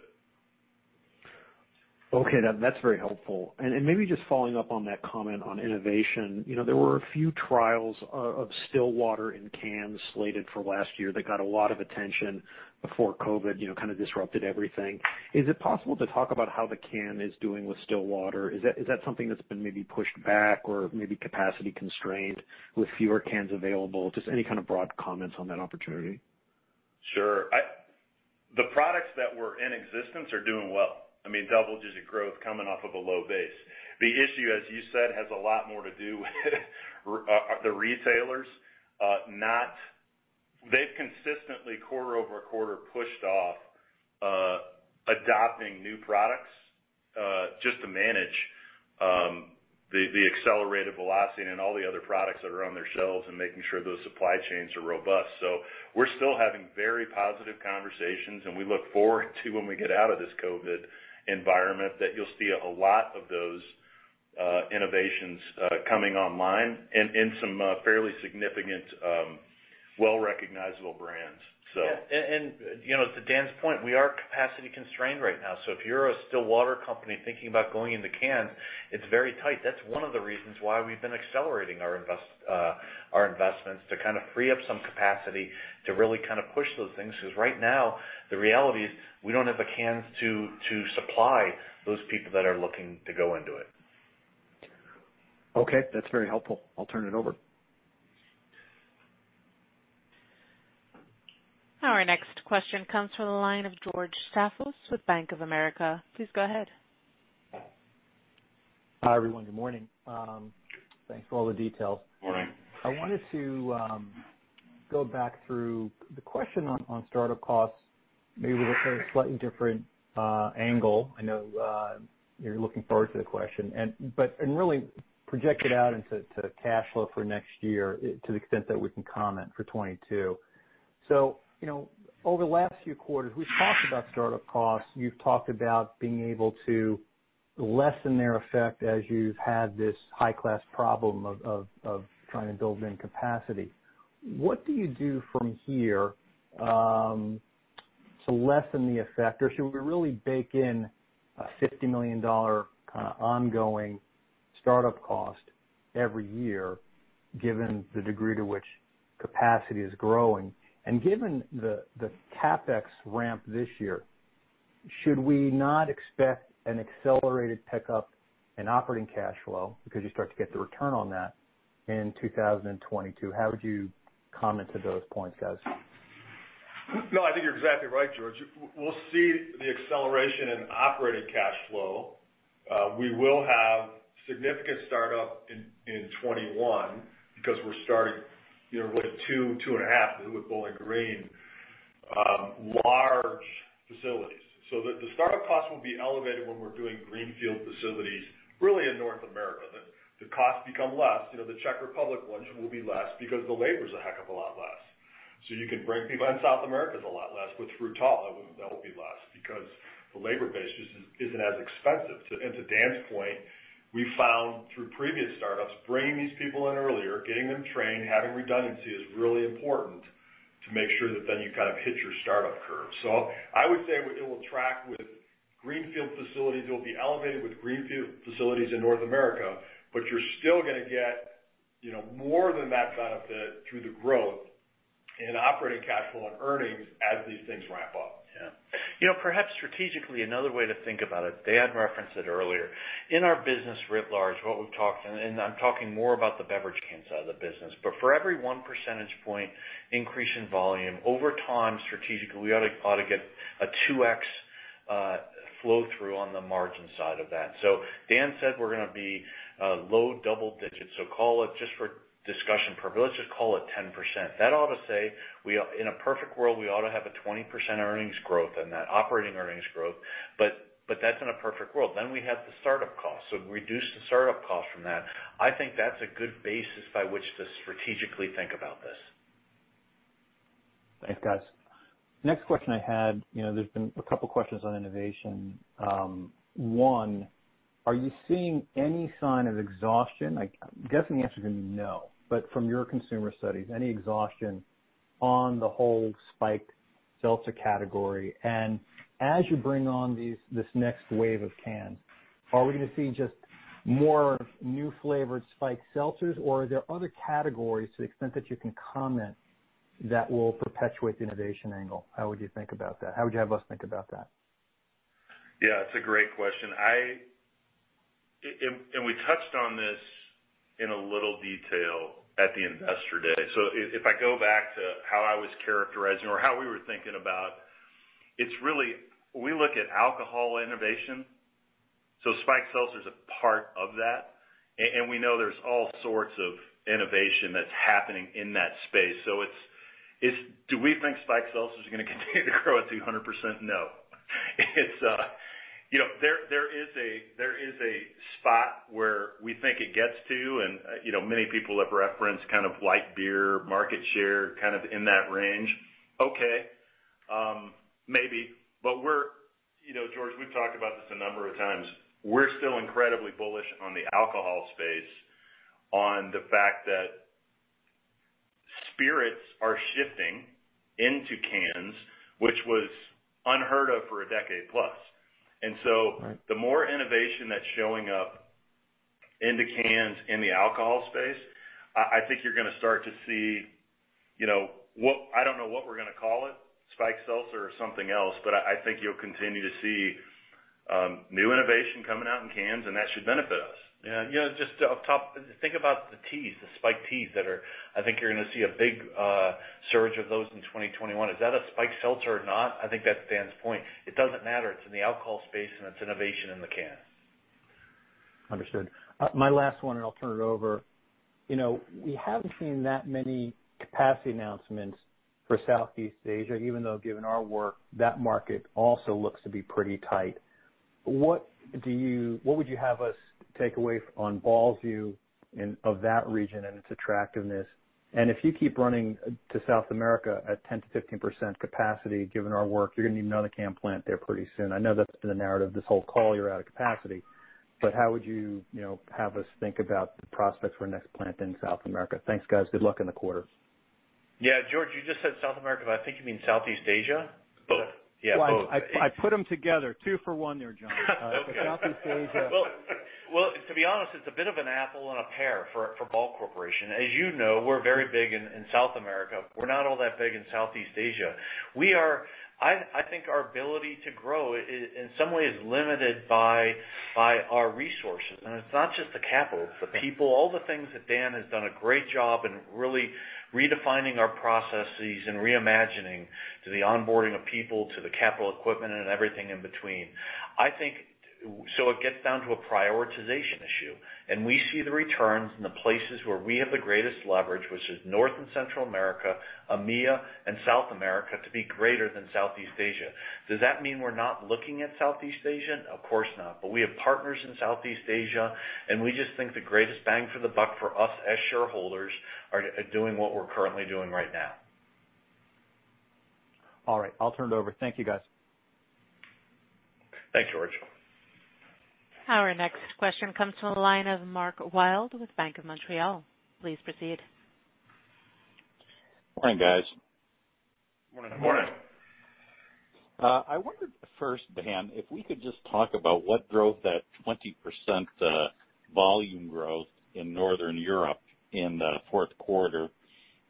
Okay. That's very helpful. Maybe just following up on that comment on innovation. There were a few trials of still water in cans slated for last year that got a lot of attention before COVID kind of disrupted everything. Is it possible to talk about how the can is doing with still water? Is that something that's been maybe pushed back or maybe capacity constrained with fewer cans available? Just any kind of broad comments on that opportunity. Sure. The products that were in existence are doing well. Double-digit growth coming off of a low base. The issue, as you said, has a lot more to do with the retailers. They've consistently quarter-over-quarter pushed off adopting new products just to manage the accelerated velocity and all the other products that are on their shelves and making sure those supply chains are robust. We're still having very positive conversations, and we look forward to when we get out of this COVID environment that you'll see a lot of those innovations coming online and in some fairly significant well-recognizable brands. To Dan's point, we are capacity constrained right now. If you're a still water company thinking about going into cans, it's very tight. That's one of the reasons why we've been accelerating our investments to kind of free up some capacity to really kind of push those things because right now the reality is we don't have the cans to supply those people that are looking to go into it. Okay. That's very helpful. I'll turn it over. Our next question comes from the line of George Staphos with Bank of America. Please go ahead. Hi, everyone. Good morning. Thanks for all the details. Morning. I wanted to go back through the question on startup costs, maybe look at a slightly different angle. I know you're looking forward to the question. Really project it out into cash flow for next year to the extent that we can comment for 2022. Over the last few quarters, we've talked about startup costs. You've talked about being able to lessen their effect as you've had this high-class problem of trying to build in capacity. What do you do from here to lessen the effect, or should we really bake in a $50 million kind of ongoing startup cost every year, given the degree to which capacity is growing? Given the CapEx ramp this year, should we not expect an accelerated pickup in operating cash flow because you start to get the return on that in 2022? How would you comment to those points, guys? No, I think you're exactly right, George. We'll see the acceleration in operating cash flow. We will have significant startup in 2021 because we're starting with a $2, $2.5 With Bowling Green, large facilities. The startup costs will be elevated when we're doing greenfield facilities, really in North America. The costs become less. The Czech Republic ones will be less because the labor's a heck of a lot less. You can bring people in. South America's a lot less with Frutal. That will be less because the labor base just isn't as expensive. To Dan's point, we found through previous startups, bringing these people in earlier, getting them trained, having redundancy is really important to make sure that then you kind of hit your startup curve. I would say it will track with greenfield facilities. It will be elevated with greenfield facilities in North America, but you're still going to get more than that benefit through the growth in operating cash flow and earnings as these things ramp up. Yeah. Perhaps strategically, another way to think about it, Dan referenced it earlier. In our business writ large, what we've talked, and I'm talking more about the beverage can side of the business, but for every one percentage point increase in volume, over time, strategically, we ought to get a 2x flow through on the margin side of that. Dan said we're going to be low double digits. Call it just for discussion purposes, let's just call it 10%. That ought to say, in a perfect world, we ought to have a 20% earnings growth on that operating earnings growth, but that's in a perfect world. We have the startup cost. Reduce the startup cost from that. I think that's a good basis by which to strategically think about this. Thanks, guys. Next question I had, there's been a couple of questions on innovation. One, are you seeing any sign of exhaustion? I'm guessing the answer is going to be no, but from your consumer studies, any exhaustion on the whole spiked seltzer category? As you bring on this next wave of cans, are we going to see just more new flavored spiked seltzers, or are there other categories to the extent that you can comment that will perpetuate the innovation angle? How would you think about that? How would you have us think about that? Yeah, it's a great question. We touched on this in a little detail at the Investor Day. If I go back to how I was characterizing or how we were thinking about, we look at alcohol innovation. Spiked seltzer is a part of that. We know there's all sorts of innovation that's happening in that space. Do we think spiked seltzer is going to continue to grow at 200%? No. There is a spot where we think it gets to, and many people have referenced kind of light beer market share kind of in that range. Okay. Maybe. George, we've talked about this a number of times. We're still incredibly bullish on the alcohol space on the fact that spirits are shifting into cans, which was unheard of for a decade plus- Right ...and so the more innovation that's showing up into cans in the alcohol space, I think you're gonna start to see, I don't know what we're gonna call it, spiked seltzer or something else. I think you'll continue to see new innovation coming out in cans and that should benefit us. Yeah. Just off top, think about the teas, the spiked teas. I think you're gonna see a big surge of those in 2021. Is that a spiked seltzer or not? I think that's Dan's point. It doesn't matter. It's in the alcohol space and it's innovation in the can. Understood. My last one and I'll turn it over. We haven't seen that many capacity announcements for Southeast Asia, even though given our work, that market also looks to be pretty tight. What would you have us take away on Ball's view of that region and its attractiveness? If you keep running to South America at 10%-15% capacity, given our work, you're going to need another can plant there pretty soon. I know that's been the narrative this whole call, you're out of capacity, but how would you have us think about the prospects for next plant in South America? Thanks, guys. Good luck in the quarter. Yeah. George, you just said South America, but I think you mean Southeast Asia? Both. Yeah, both. I put them together two for one there, John. Southeast Asia. Well, to be honest, it's a bit of an apple and a pear for Ball Corporation. As you know, we're very big in South America. We're not all that big in Southeast Asia. I think our ability to grow in some way is limited by our resources. It's not just the capital, it's the people, all the things that Dan has done a great job in really redefining our processes and reimagining to the onboarding of people, to the capital equipment and everything in between. It gets down to a prioritization issue. We see the returns in the places where we have the greatest leverage, which is North and Central America, EMEA, and South America, to be greater than Southeast Asia. Does that mean we're not looking at Southeast Asia? Of course not. We have partners in Southeast Asia, and we just think the greatest bang for the buck for us as shareholders are doing what we're currently doing right now. All right. I'll turn it over. Thank you, guys. Thanks, George. Our next question comes to the line of Mark Wilde with Bank of Montreal. Please proceed. Morning, guys. Morning. Morning. I wondered first, Dan, if we could just talk about what drove that 20% volume growth in Northern Europe in the fourth quarter.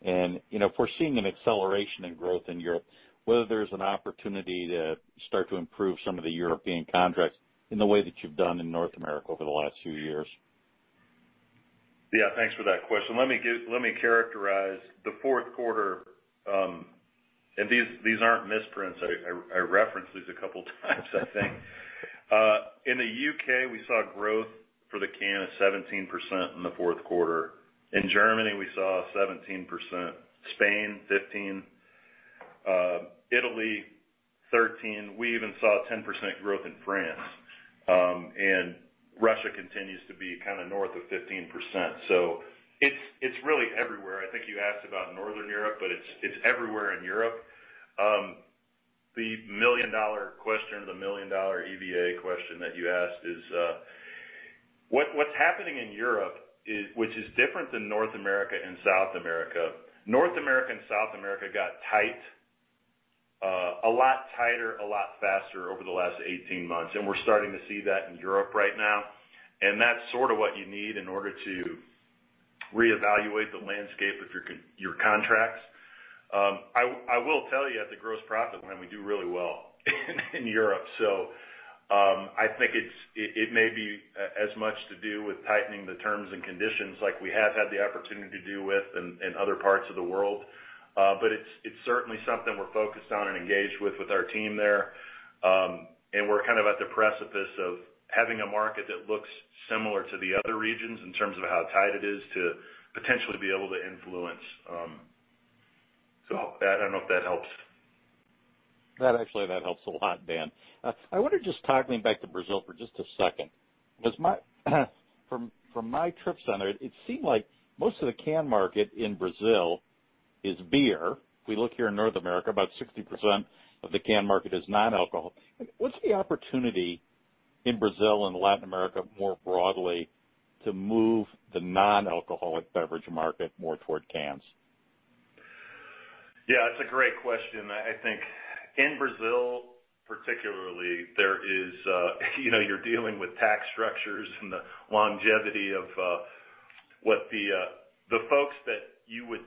If we're seeing an acceleration in growth in Europe, whether there's an opportunity to start to improve some of the European contracts in the way that you've done in North America over the last few years. Yeah. Thanks for that question. Let me characterize the fourth quarter. These aren't misprints. I referenced these a couple times I think. In the U.K., we saw growth for the can of 17% in the fourth quarter. In Germany, we saw 17%, Spain 15%, Italy 13%. We even saw a 10% growth in France. Russia continues to be north of 15%. It's really everywhere. I think you asked about Northern Europe, but it's everywhere in Europe. The $1 million question or the $1 million EVA question that you asked is, what's happening in Europe, which is different than North America and South America. North America and South America got tight, a lot tighter, a lot faster over the last 18 months, and we're starting to see that in Europe right now. That's sort of what you need in order to reevaluate the landscape of your contracts. I will tell you at the gross profit margin, we do really well in Europe. I think it may be as much to do with tightening the terms and conditions like we have had the opportunity to do with in other parts of the world. It's certainly something we're focused on and engaged with our team there. We're kind of at the precipice of having a market that looks similar to the other regions in terms of how tight it is to potentially be able to influence. I don't know if that helps. That actually helps a lot, Dan. I wonder, just toggling back to Brazil for just a second, because from my trips down there, it seemed like most of the can market in Brazil is beer. We look here in North America, about 60% of the can market is non-alcohol. What's the opportunity in Brazil and Latin America more broadly to move the non-alcoholic beverage market more toward cans? Yeah, it's a great question. I think in Brazil particularly, you're dealing with tax structures and the longevity of what the folks that you would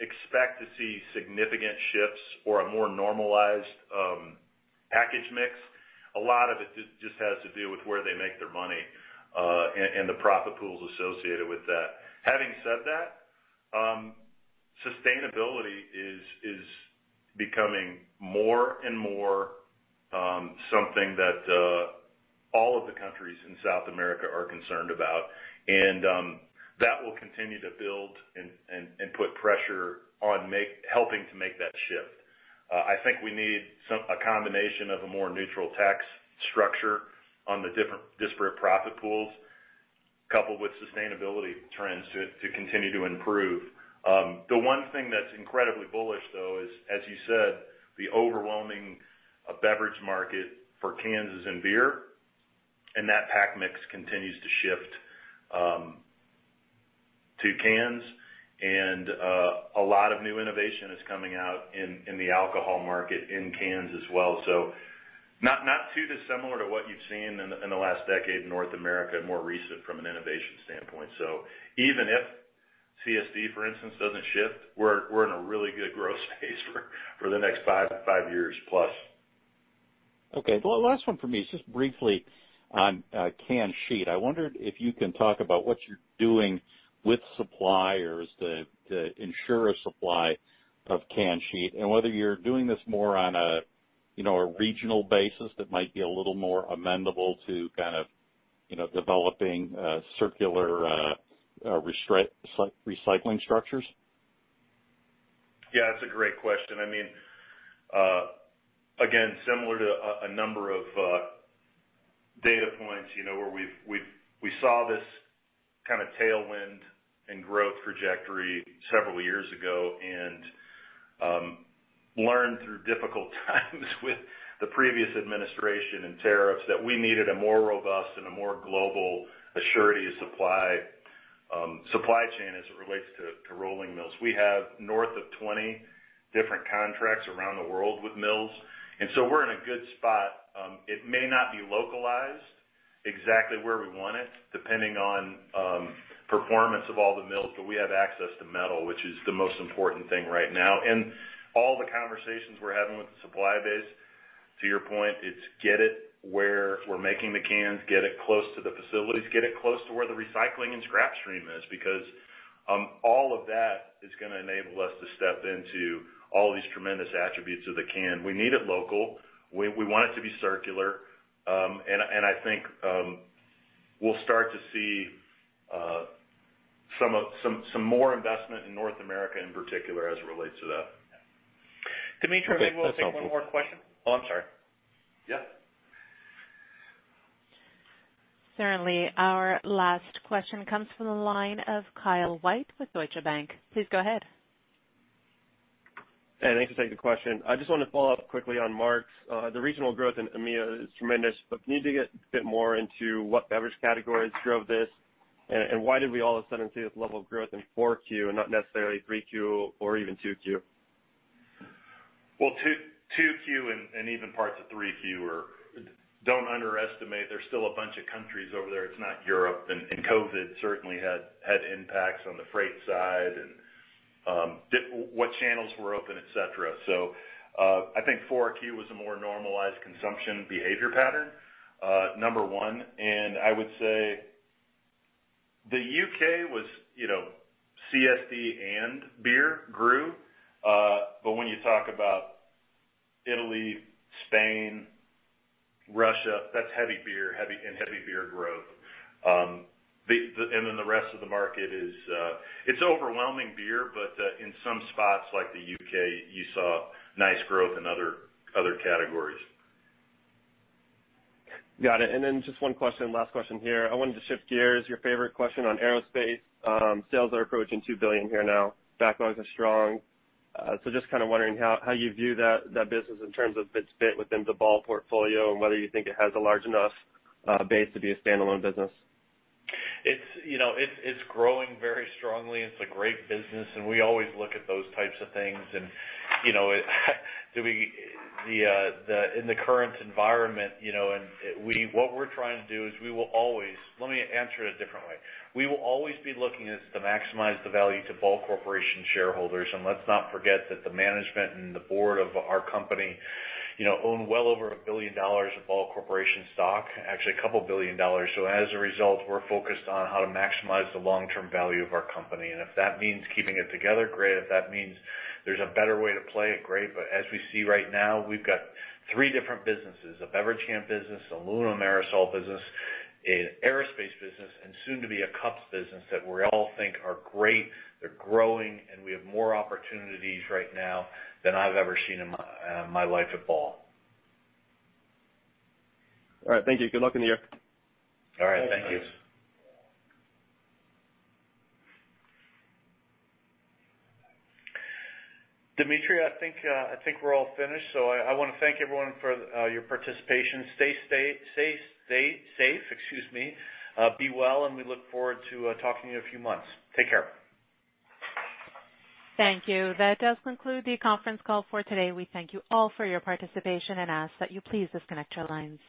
expect to see significant shifts or a more normalized package mix. A lot of it just has to do with where they make their money, and the profit pools associated with that. Having said that, sustainability is becoming more and more something that all of the countries in South America are concerned about, and that will continue to build and put pressure on helping to make that shift. I think we need a combination of a more neutral tax structure on the different disparate profit pools, coupled with sustainability trends to continue to improve. The one thing that's incredibly bullish, though, is, as you said, the overwhelming beverage market for cans is in beer, and that pack mix continues to shift to cans. A lot of new innovation is coming out in the alcohol market in cans as well, so not too dissimilar to what you've seen in the last decade in North America, more recent from an innovation standpoint. Even if CSD, for instance, doesn't shift, we're in a really good growth space for the next five years plus. Okay. Well, last one for me is just briefly on can sheet. I wondered if you can talk about what you're doing with suppliers to ensure a supply of can sheet, and whether you're doing this more on a regional basis that might be a little more amendable to developing circular recycling structures. Yeah, that's a great question. Again, similar to a number of data points, where we saw this kind of tailwind and growth trajectory several years ago and learned through difficult times with the previous administration and tariffs that we needed a more robust and a more global surety supply chain as it relates to rolling mills. We have north of 20 different contracts around the world with mills, and so we're in a good spot. It may not be localized exactly where we want it, depending on performance of all the mills, but we have access to metal, which is the most important thing right now. All the conversations we're having with the supply base, to your point, it's get it where we're making the cans, get it close to the facilities, get it close to where the recycling and scrap stream is, because all of that is going to enable us to step into all these tremendous attributes of the can. We need it local. We want it to be circular. I think we'll start to see some more investment in North America in particular as it relates to that. Dmitra, maybe we'll take one more question. Oh, I'm sorry. Yeah. Certainly. Our last question comes from the line of Kyle White with Deutsche Bank. Please go ahead. Hey, thanks for taking the question. I just want to follow up quickly on Mark's. The regional growth in EMEA is tremendous, but can you dig a bit more into what beverage categories drove this, and why did we all of a sudden see this level of growth in Q4 and not necessarily Q3 or even Q2? Well, Q2 and even parts of Q3, don't underestimate, there's still a bunch of countries over there. It's not Europe. COVID certainly had impacts on the freight side and what channels were open, etc. I think Q4 was a more normalized consumption behavior pattern, number one. I would say the U.K. was CSD and beer grew. When you talk about Italy, Spain, Russia, that's heavy beer and heavy beer growth. The rest of the market is overwhelming beer, but in some spots like the U.K., you saw nice growth in other categories. Got it. Just one question, last question here. I wanted to shift gears. Your favorite question on Aerospace. Sales are approaching $2 billion here now. Backlogs are strong. Just kind of wondering how you view that business in terms of its fit within the Ball portfolio, and whether you think it has a large enough base to be a standalone business. It's growing very strongly. It's a great business, and we always look at those types of things. In the current environment, what we're trying to do is let me answer it a different way. We will always be looking as to maximize the value to Ball Corporation shareholders. Let's not forget that the management and the Board of our company own well over $1 billion of Ball Corporation stock, actually a $2 billion. As a result, we're focused on how to maximize the long-term value of our company. If that means keeping it together, great. If that means there's a better way to play it, great. As we see right now, we've got three different businesses, a beverage can business, aluminum aerosol business, an aerospace business, and soon to be a cups business that we all think are great. They're growing, and we have more opportunities right now than I've ever seen in my life at Ball. All right. Thank you. Good luck in the year. All right. Thank you. Dmitra, I think we're all finished. I want to thank everyone for your participation. Stay safe. Be well, and we look forward to talking to you in a few months. Take care. Thank you. That does conclude the conference call for today. We thank you all for your participation and ask that you please disconnect your lines.